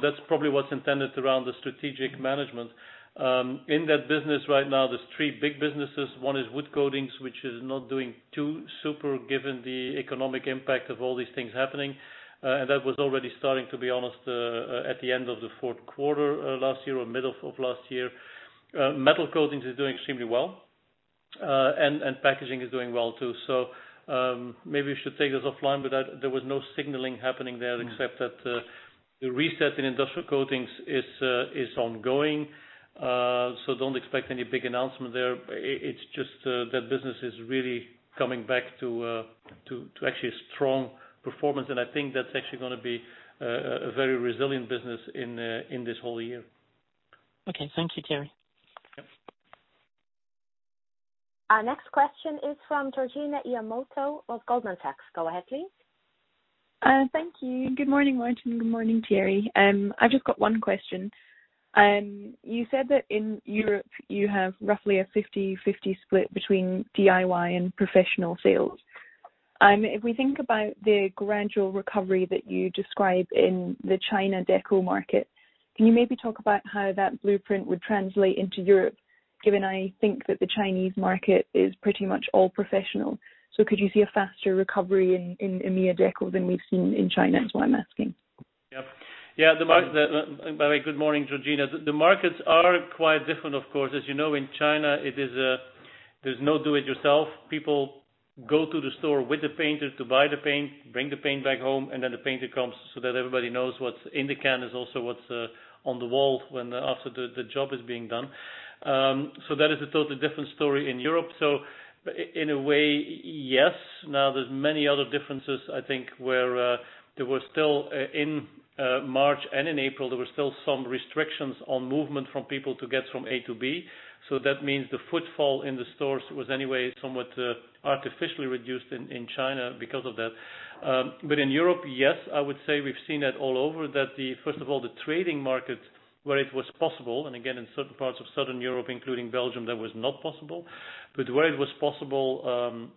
That's probably what's intended around the strategic management. In that business right now, there's three big businesses. One is wood coatings, which is not doing too super, given the economic impact of all these things happening. That was already starting, to be honest, at the end of the fourth quarter last year or middle of last year. Metal coatings is doing extremely well. Packaging is doing well, too. Maybe we should take this offline, but there was no signaling happening there except that the reset in industrial coatings is ongoing. Don't expect any big announcement there. It's just that business is really coming back to actually a strong performance, and I think that's actually going to be a very resilient business in this whole year. Okay. Thank you, Thierry. Yep. Our next question is from Georgina Fraser of Goldman Sachs. Go ahead, please. Thank you, good morning, Maarten, good morning, Thierry. I've just got one question. You said that in Europe you have roughly a 50/50 split between DIY and professional sales. If we think about the gradual recovery that you describe in the China Deco market, can you maybe talk about how that blueprint would translate into Europe, given I think that the Chinese market is pretty much all professional. Could you see a faster recovery in EMEIA Deco than we've seen in China is why I'm asking? Yep. By the way, good morning, Georgina. The markets are quite different, of course. As you know, in China, there's no do-it-yourself. People go to the store with the painter to buy the paint, bring the paint back home, and then the painter comes so that everybody knows what's in the can is also what's on the wall after the job is being done. That is a totally different story in Europe. In a way, yes. Now there's many other differences, I think, where there were still, in March and in April, there were still some restrictions on movement from people to get from A to B. That means the footfall in the stores was anyway somewhat artificially reduced in China because of that. In Europe yes, I would say we've seen that all over. First of all the trading markets where it was possible, and again, in certain parts of Southern Europe, including Belgium, that was not possible. Where it was possible,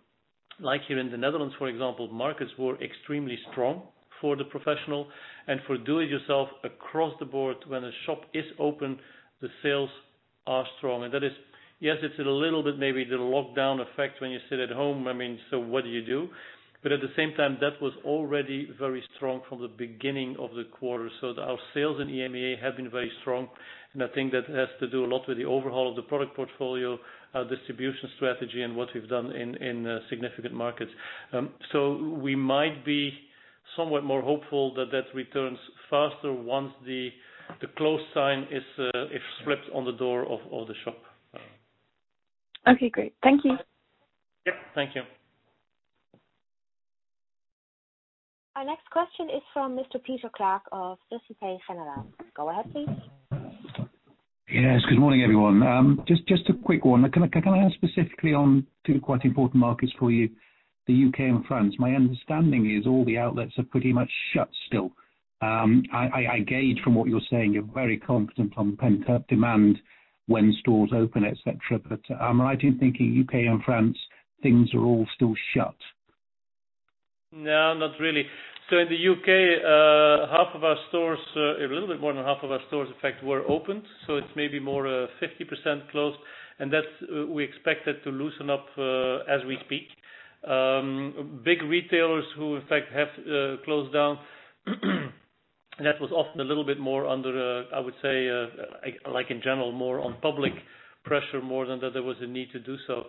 like here in the Netherlands, for example, markets were extremely strong for the professional and for do-it-yourself across the board. When a shop is open, the sales are strong. That is, yes, it's a little bit maybe the lockdown effect when you sit at home, I mean so what do you do? At the same time, that was already very strong from the beginning of the quarter. Our sales in EMEA have been very strong, and I think that has to do a lot with the overhaul of the product portfolio, distribution strategy, and what we've done in significant markets. We might be somewhat more hopeful that that returns faster once the closed sign is flipped on the door of the shop. Okay, great. Thank you. Yep. Thank you. Our next question is from Mr. Peter Clark of Societe Generale. Go ahead, please. Yes. Good morning, everyone. Just a quick one. Can I ask specifically on two quite important markets for you, the U.K. and France? My understanding is all the outlets are pretty much shut still. I gauge from what you're saying, you're very confident on pent-up demand when stores open, et cetera. Am I right in thinking U.K. and France, things are all still shut? No, not really. In the U.K., a little bit more than half of our stores, in fact, were opened. It's maybe more 50% closed, and that we expected to loosen up as we speak. Big retailers who in fact have closed down, that was often a little bit more under, I would say like in general, more on public pressure more than that there was a need to do so.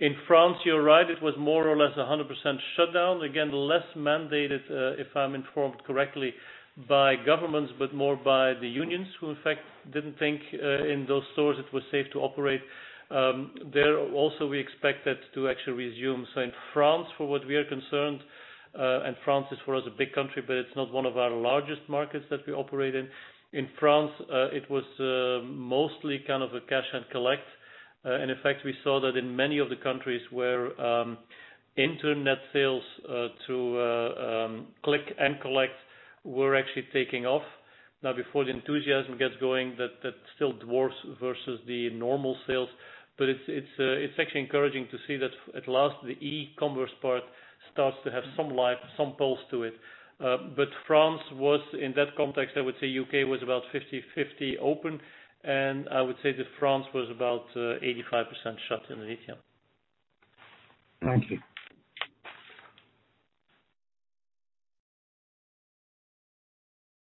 In France, you're right it was more or less 100% shut down. Again, less mandated, if I'm informed correctly, by governments but more by the unions who in fact, didn't think in those stores it was safe to operate. There also, we expect that to actually resume. In France, for what we are concerned, and France is for us a big country, but it's not one of our largest markets that we operate in. In France, it was mostly kind of a cash and collect. In fact, we saw that in many of the countries where internet sales to click and collect were actually taking off. Now before the enthusiasm gets going, that still dwarfs versus the normal sales. It's actually encouraging to see that at last, the e-commerce part starts to have some life, some pulse to it. France was in that context, I would say U.K. was about 50/50 open, and I would say that France was about 85% shut in retail. Thank you.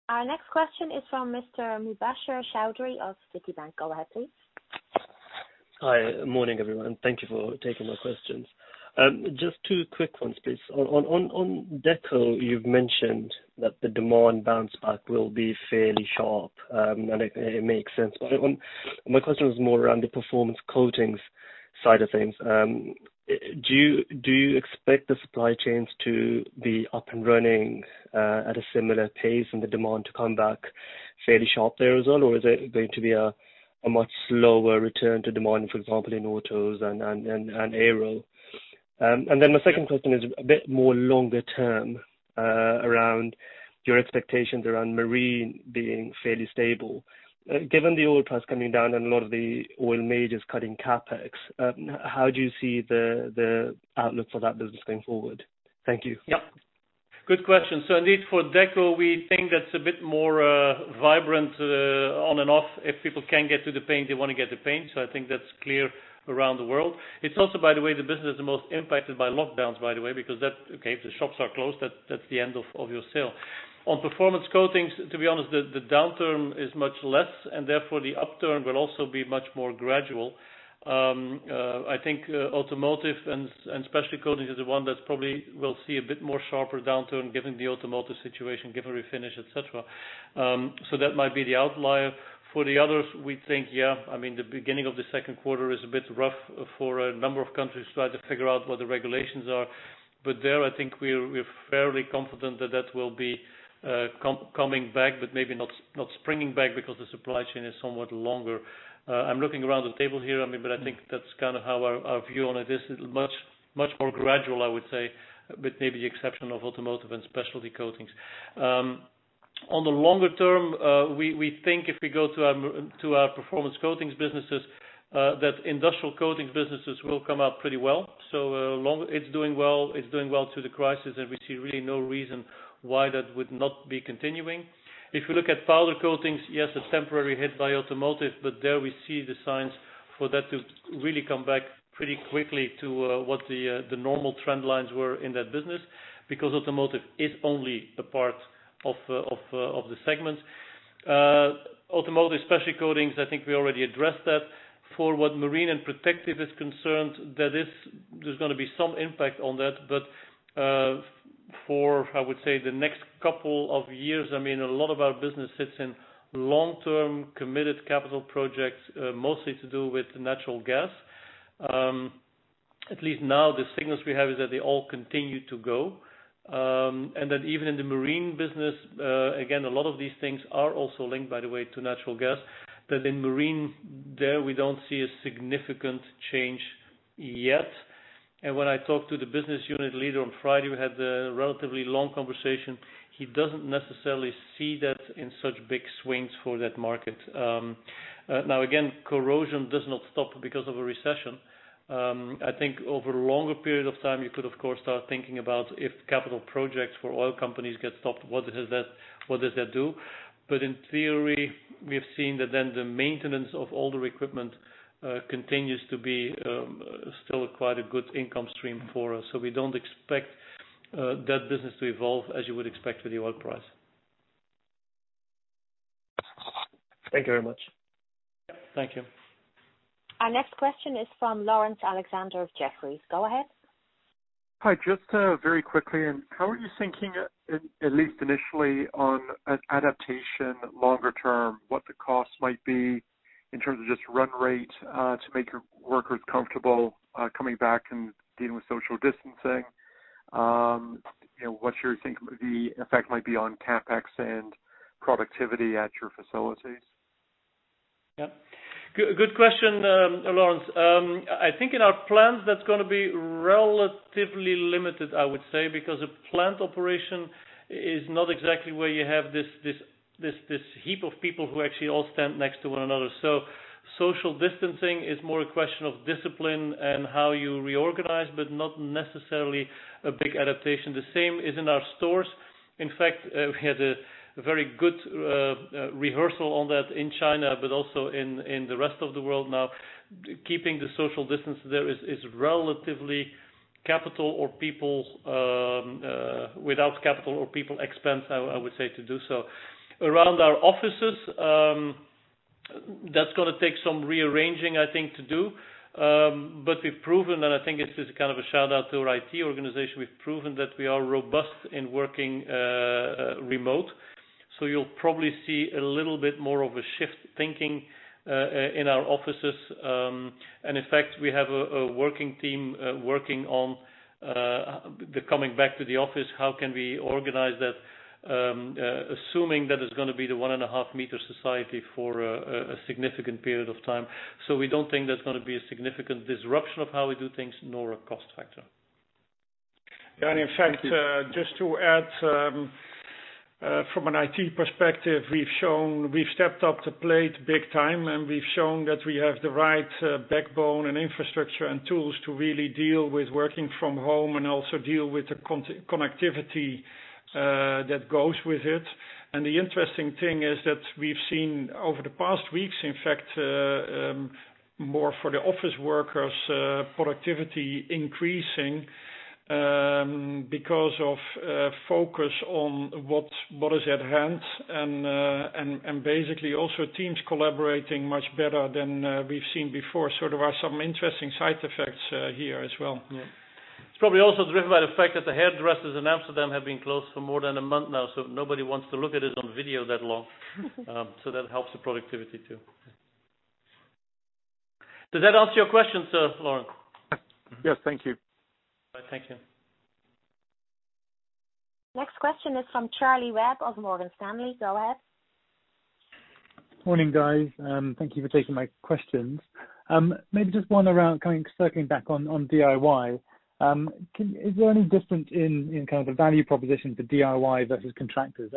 Our next question is from Mr. Mubasher Chaudhry of Citigroup. Go ahead, please. Hi. Morning, everyone. Thank you for taking my questions. Just two quick ones, please. On Deco, you've mentioned that the demand bounce back will be fairly sharp, and it makes sense. My question is more around the Performance Coatings side of things. Do you expect the supply chains to be up and running at a similar pace and the demand to come back fairly sharp there as well? Is it going to be a much slower return to demand, for example, in autos and aero? My second question is a bit more longer term, around your expectations around marine being fairly stable. Given the oil price coming down and a lot of the oil majors cutting CapEx, how do you see the outlook for that business going forward? Thank you. Yep. Good question. Indeed for Deco we think that's a bit more vibrant, on and off. If people can get to the paint, they want to get the paint, I think that's clear around the world. It's also, by the way, the business is the most impacted by lockdowns, by the way, because that, okay, if the shops are closed, that's the end of your sale. On Performance Coatings, to be honest, the downturn is much less, therefore, the upturn will also be much more gradual. I think Automotive and Specialty Coatings is the one that probably will see a bit more sharper downturn given the automotive situation, given refinish, et cetera. That might be the outlier. For the others, we think, yeah, I mean, the beginning of the second quarter is a bit rough for a number of countries trying to figure out what the regulations are. There, I think we're fairly confident that that will be coming back, but maybe not springing back because the supply chain is somewhat longer. I'm looking around the table here. I think that's kind of our view on it. This is much more gradual, I would say, with maybe the exception of Automotive and Specialty Coatings. On the longer term, we think if we go to our Performance Coatings businesses, that industrial coatings businesses will come up pretty well. It's doing well through the crisis, and we see really no reason why that would not be continuing. If you look at powder coatings, yes, it's temporarily hit by automotive, but there we see the signs for that to really come back pretty quickly to what the normal trend lines were in that business, because automotive is only a part of the segment. Automotive Specialty Coatings, I think we already addressed that. For what marine and protective is concerned, there's going to be some impact on that. For, I would say, the next couple of years, a lot of our business sits in long-term committed capital projects, mostly to do with natural gas. At least now the signals we have is that they all continue to go. That even in the marine business, again, a lot of these things are also linked, by the way, to natural gas, that in marine there, we don't see a significant change yet. When I talked to the business unit leader on Friday, we had a relatively long conversation. He doesn't necessarily see that in such big swings for that market. Again, corrosion does not stop because of a recession. I think over a longer period of time, you could, of course, start thinking about if capital projects for oil companies get stopped, what does that do? In theory, we have seen that then the maintenance of all the equipment continues to be still quite a good income stream for us. We don't expect that business to evolve as you would expect with the oil price. Thank you very much. Thank you. Our next question is from Laurence Alexander of Jefferies. Go ahead. Hi. Just very quickly, how are you thinking, at least initially, on an adaptation longer term, what the cost might be in terms of just run rate to make your workers comfortable coming back and dealing with social distancing? What do you think the effect might be on CapEx and productivity at your facilities? Yeah. Good question, Laurence. I think in our plants, that's going to be relatively limited, I would say, because a plant operation is not exactly where you have this heap of people who actually all stand next to one another. Social distancing is more a question of discipline and how you reorganize, but not necessarily a big adaptation. The same is in our stores. In fact, we had a very good rehearsal on that in China, but also in the rest of the world now. Keeping the social distance there is relatively without capital or people expense, I would say to do so. Around our offices, that's going to take some rearranging, I think, to do. We've proven, and I think this is kind of a shout-out to our IT organization, we've proven that we are robust in working remote. You'll probably see a little bit more of a shift thinking in our offices. In fact, we have a working team working on the coming back to the office, how we can organize that, assuming that it's going to be the 1.5 meter society for a significant period of time. We don't think there's going to be a significant disruption of how we do things, nor a cost factor. Yeah, and in fact, just to add from an IT perspective, we've stepped up to plate big time, and we've shown that we have the right backbone and infrastructure and tools to really deal with working from home and also deal with the connectivity that goes with it. The interesting thing is that we've seen over the past weeks, in fact, more for the office workers, productivity increasing because of focus on what is at hand and basically also teams collaborating much better than we've seen before, sort of are some interesting side effects here as well. Yeah. It's probably also driven by the fact that the hairdressers in Amsterdam have been closed for more than a month now. Nobody wants to look at us on video that long. That helps the productivity too. Does that answer your question Laurence. Yes. Thank you. Thank you. Next question is from Charlie Webb of Morgan Stanley. Go ahead. Morning, guys. Thank you for taking my questions. Just one around kind of circling back on DIY. Is there any difference in kind of the value proposition for DIY versus contractors?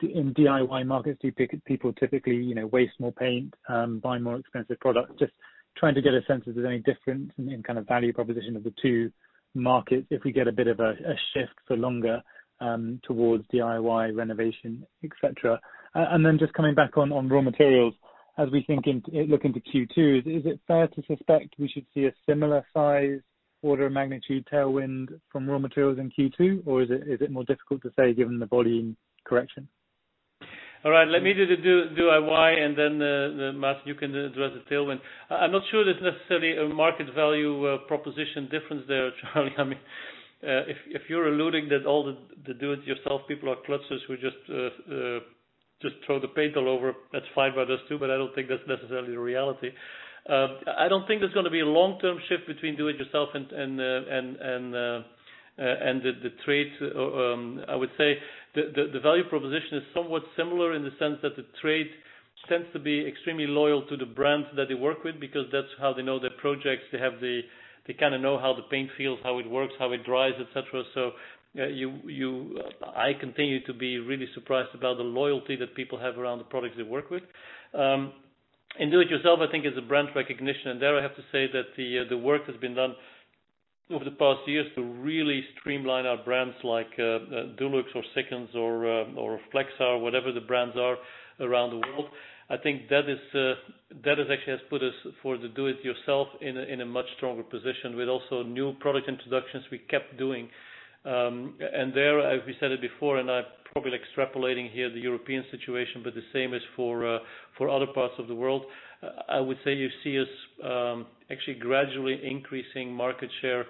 In DIY markets, do people typically waste more paint, buy more expensive products? Just trying to get a sense if there's any difference in kind of value proposition of the two markets if we get a bit of a shift for longer towards DIY renovation, et cetera. Just coming back on raw materials as we look into Q2, is it fair to suspect we should see a similar size order of magnitude tailwind from raw materials in Q2? Is it more difficult to say given the volume correction? All right. Let me do the DIY and then, Maarten, you can address the tailwind. I'm not sure there's necessarily a market value proposition difference there, Charlie. If you're alluding that all the do-it-yourself people are klutzes who just throw the paint all over, that's fine by us, too, but I don't think that's necessarily the reality. I don't think there's going to be a long-term shift between do-it-yourself and the trade. I would say the value proposition is somewhat similar in the sense that the trade tends to be extremely loyal to the brands that they work with because that's how they know their projects. They kind of know how the paint feels, how it works, how it dries, et cetera. I continue to be really surprised about the loyalty that people have around the products they work with. Do-it-yourself, I think, is a brand recognition, and there I have to say that the work has been done over the past years to really streamline our brands like Dulux or Sikkens or Flexa or whatever the brands are around the world. I think that has actually put us for the do-it-yourself in a much stronger position with also new product introductions we kept doing. There, we said it before, and I'm probably extrapolating here the European situation, but the same is for other parts of the world. I would say you see us actually gradually increasing market share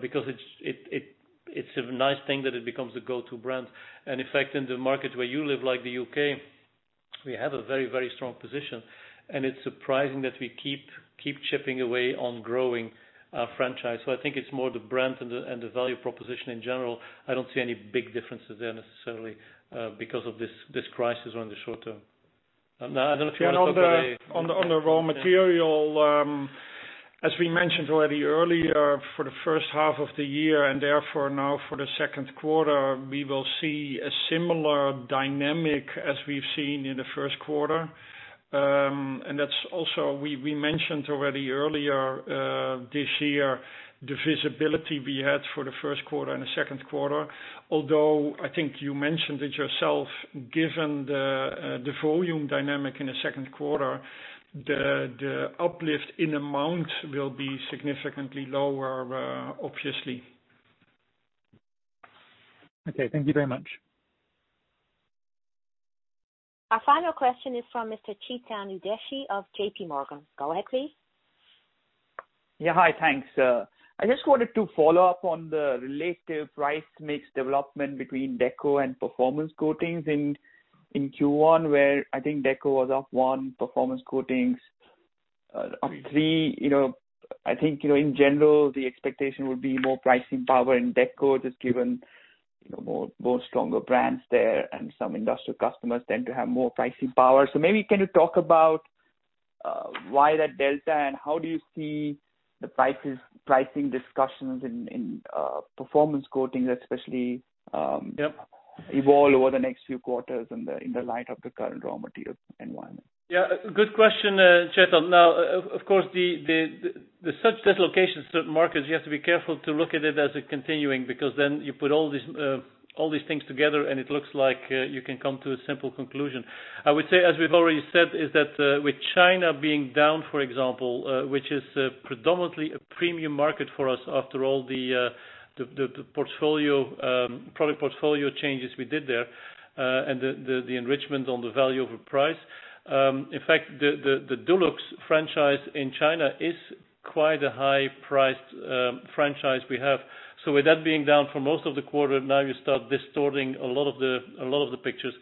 because it's a nice thing that it becomes a go-to brand. In fact, in the market where you live, like the U.K., we have a very strong position, and it's surprising that we keep chipping away on growing our franchise. I think it's more the brand and the value proposition in general. I don't see any big differences there necessarily because of this crisis or in the short term. On the raw material, as we mentioned already earlier for the first half of the year, and therefore now for the second quarter, we will see a similar dynamic as we've seen in the first quarter. That's also we mentioned already earlier this year, the visibility we had for the first quarter and the second quarter. Although I think you mentioned it yourself, given the volume dynamic in the second quarter, the uplift in amount will be significantly lower, obviously. Okay. Thank you very much. Our final question is from Mr. Chetan Udeshi of JPMorgan. Go ahead, please. Yeah. Hi, thanks. I just wanted to follow up on the relative price mix development between Deco and Performance Coatings in Q1, where I think Deco was up one, Performance Coatings up three. I think, in general, the expectation would be more pricing power in Deco, just given more stronger brands there and some industrial customers tend to have more pricing power. Maybe can you talk about why that delta and how do you see the pricing discussions in Performance Coatings? Yep Evolve over the next few quarters in the light of the current raw material environment? Good question, Chetan. Of course, the such dislocations markets, you have to be careful to look at it as a continuing, because then you put all these things together, and it looks like you can come to a simple conclusion. I would say, as we've already said, is that with China being down, for example, which is predominantly a premium market for us, after all the product portfolio changes we did there, and the enrichment on the value over price. In fact, the Dulux franchise in China is quite a high-priced franchise we have. With that being down for most of the quarter, you start distorting a lot of the pictures.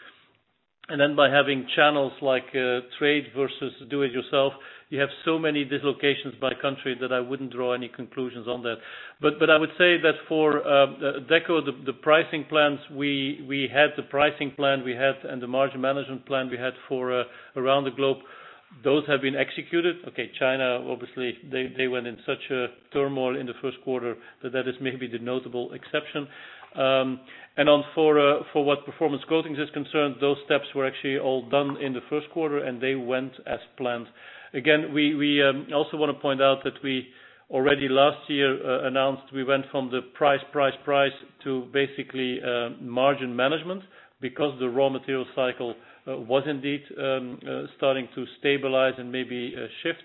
By having channels like trade versus Do It Yourself, you have so many dislocations by country that I wouldn't draw any conclusions on that. I would say that for Deco, the pricing plans we had, and the margin management plan we had for around the globe, those have been executed. Okay, China, obviously, they went in such a turmoil in the first quarter that that is maybe the notable exception. For what Performance Coatings is concerned, those steps were actually all done in the first quarter, and they went as planned. Again, we also want to point out that we already last year announced we went from the price to basically margin management because the raw material cycle was indeed starting to stabilize and maybe shift.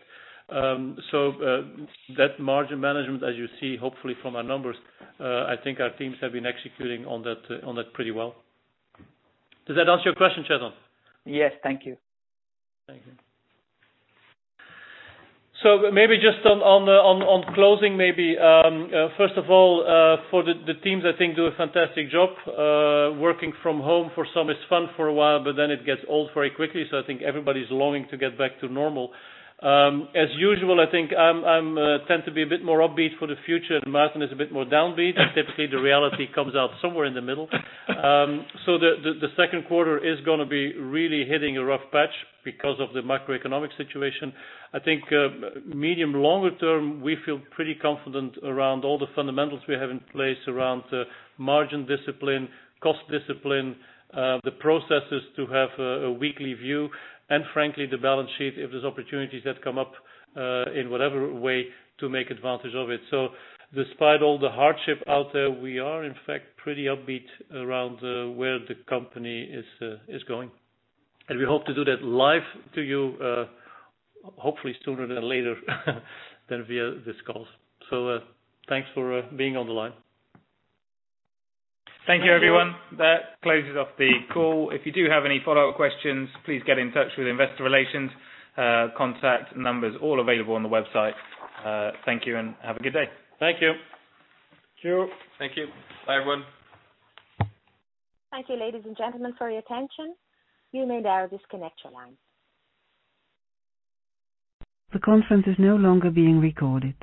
That margin management, as you see, hopefully from our numbers, I think our teams have been executing on that pretty well. Does that answer your question, Chetan? Yes. Thank you. Thank you. Maybe just on closing, maybe, first of all, for the teams I think do a fantastic job. Working from home for some is fun for a while, but then it gets old very quickly, so I think everybody's longing to get back to normal. As usual, I think I tend to be a bit more upbeat for the future, and Maarten is a bit more downbeat, and typically the reality comes out somewhere in the middle. The second quarter is going to be really hitting a rough patch because of the macroeconomic situation. I think medium longer term, we feel pretty confident around all the fundamentals we have in place around margin discipline, cost discipline, the processes to have a weekly view, and frankly, the balance sheet if there's opportunities that come up, in whatever way to make advantage of it. Despite all the hardship out there, we are in fact pretty upbeat around where the company is going. We hope to do that live to you, hopefully sooner than later than via these calls. Thanks for being on the line. Thank you, everyone. That closes off the call. If you do have any follow-up questions, please get in touch with investor relations. Contact numbers all available on the website. Thank you and have a good day. Thank you. Thank you. Thank you. Bye, everyone. Thank you, ladies and gentlemen, for your attention. You may now disconnect your lines.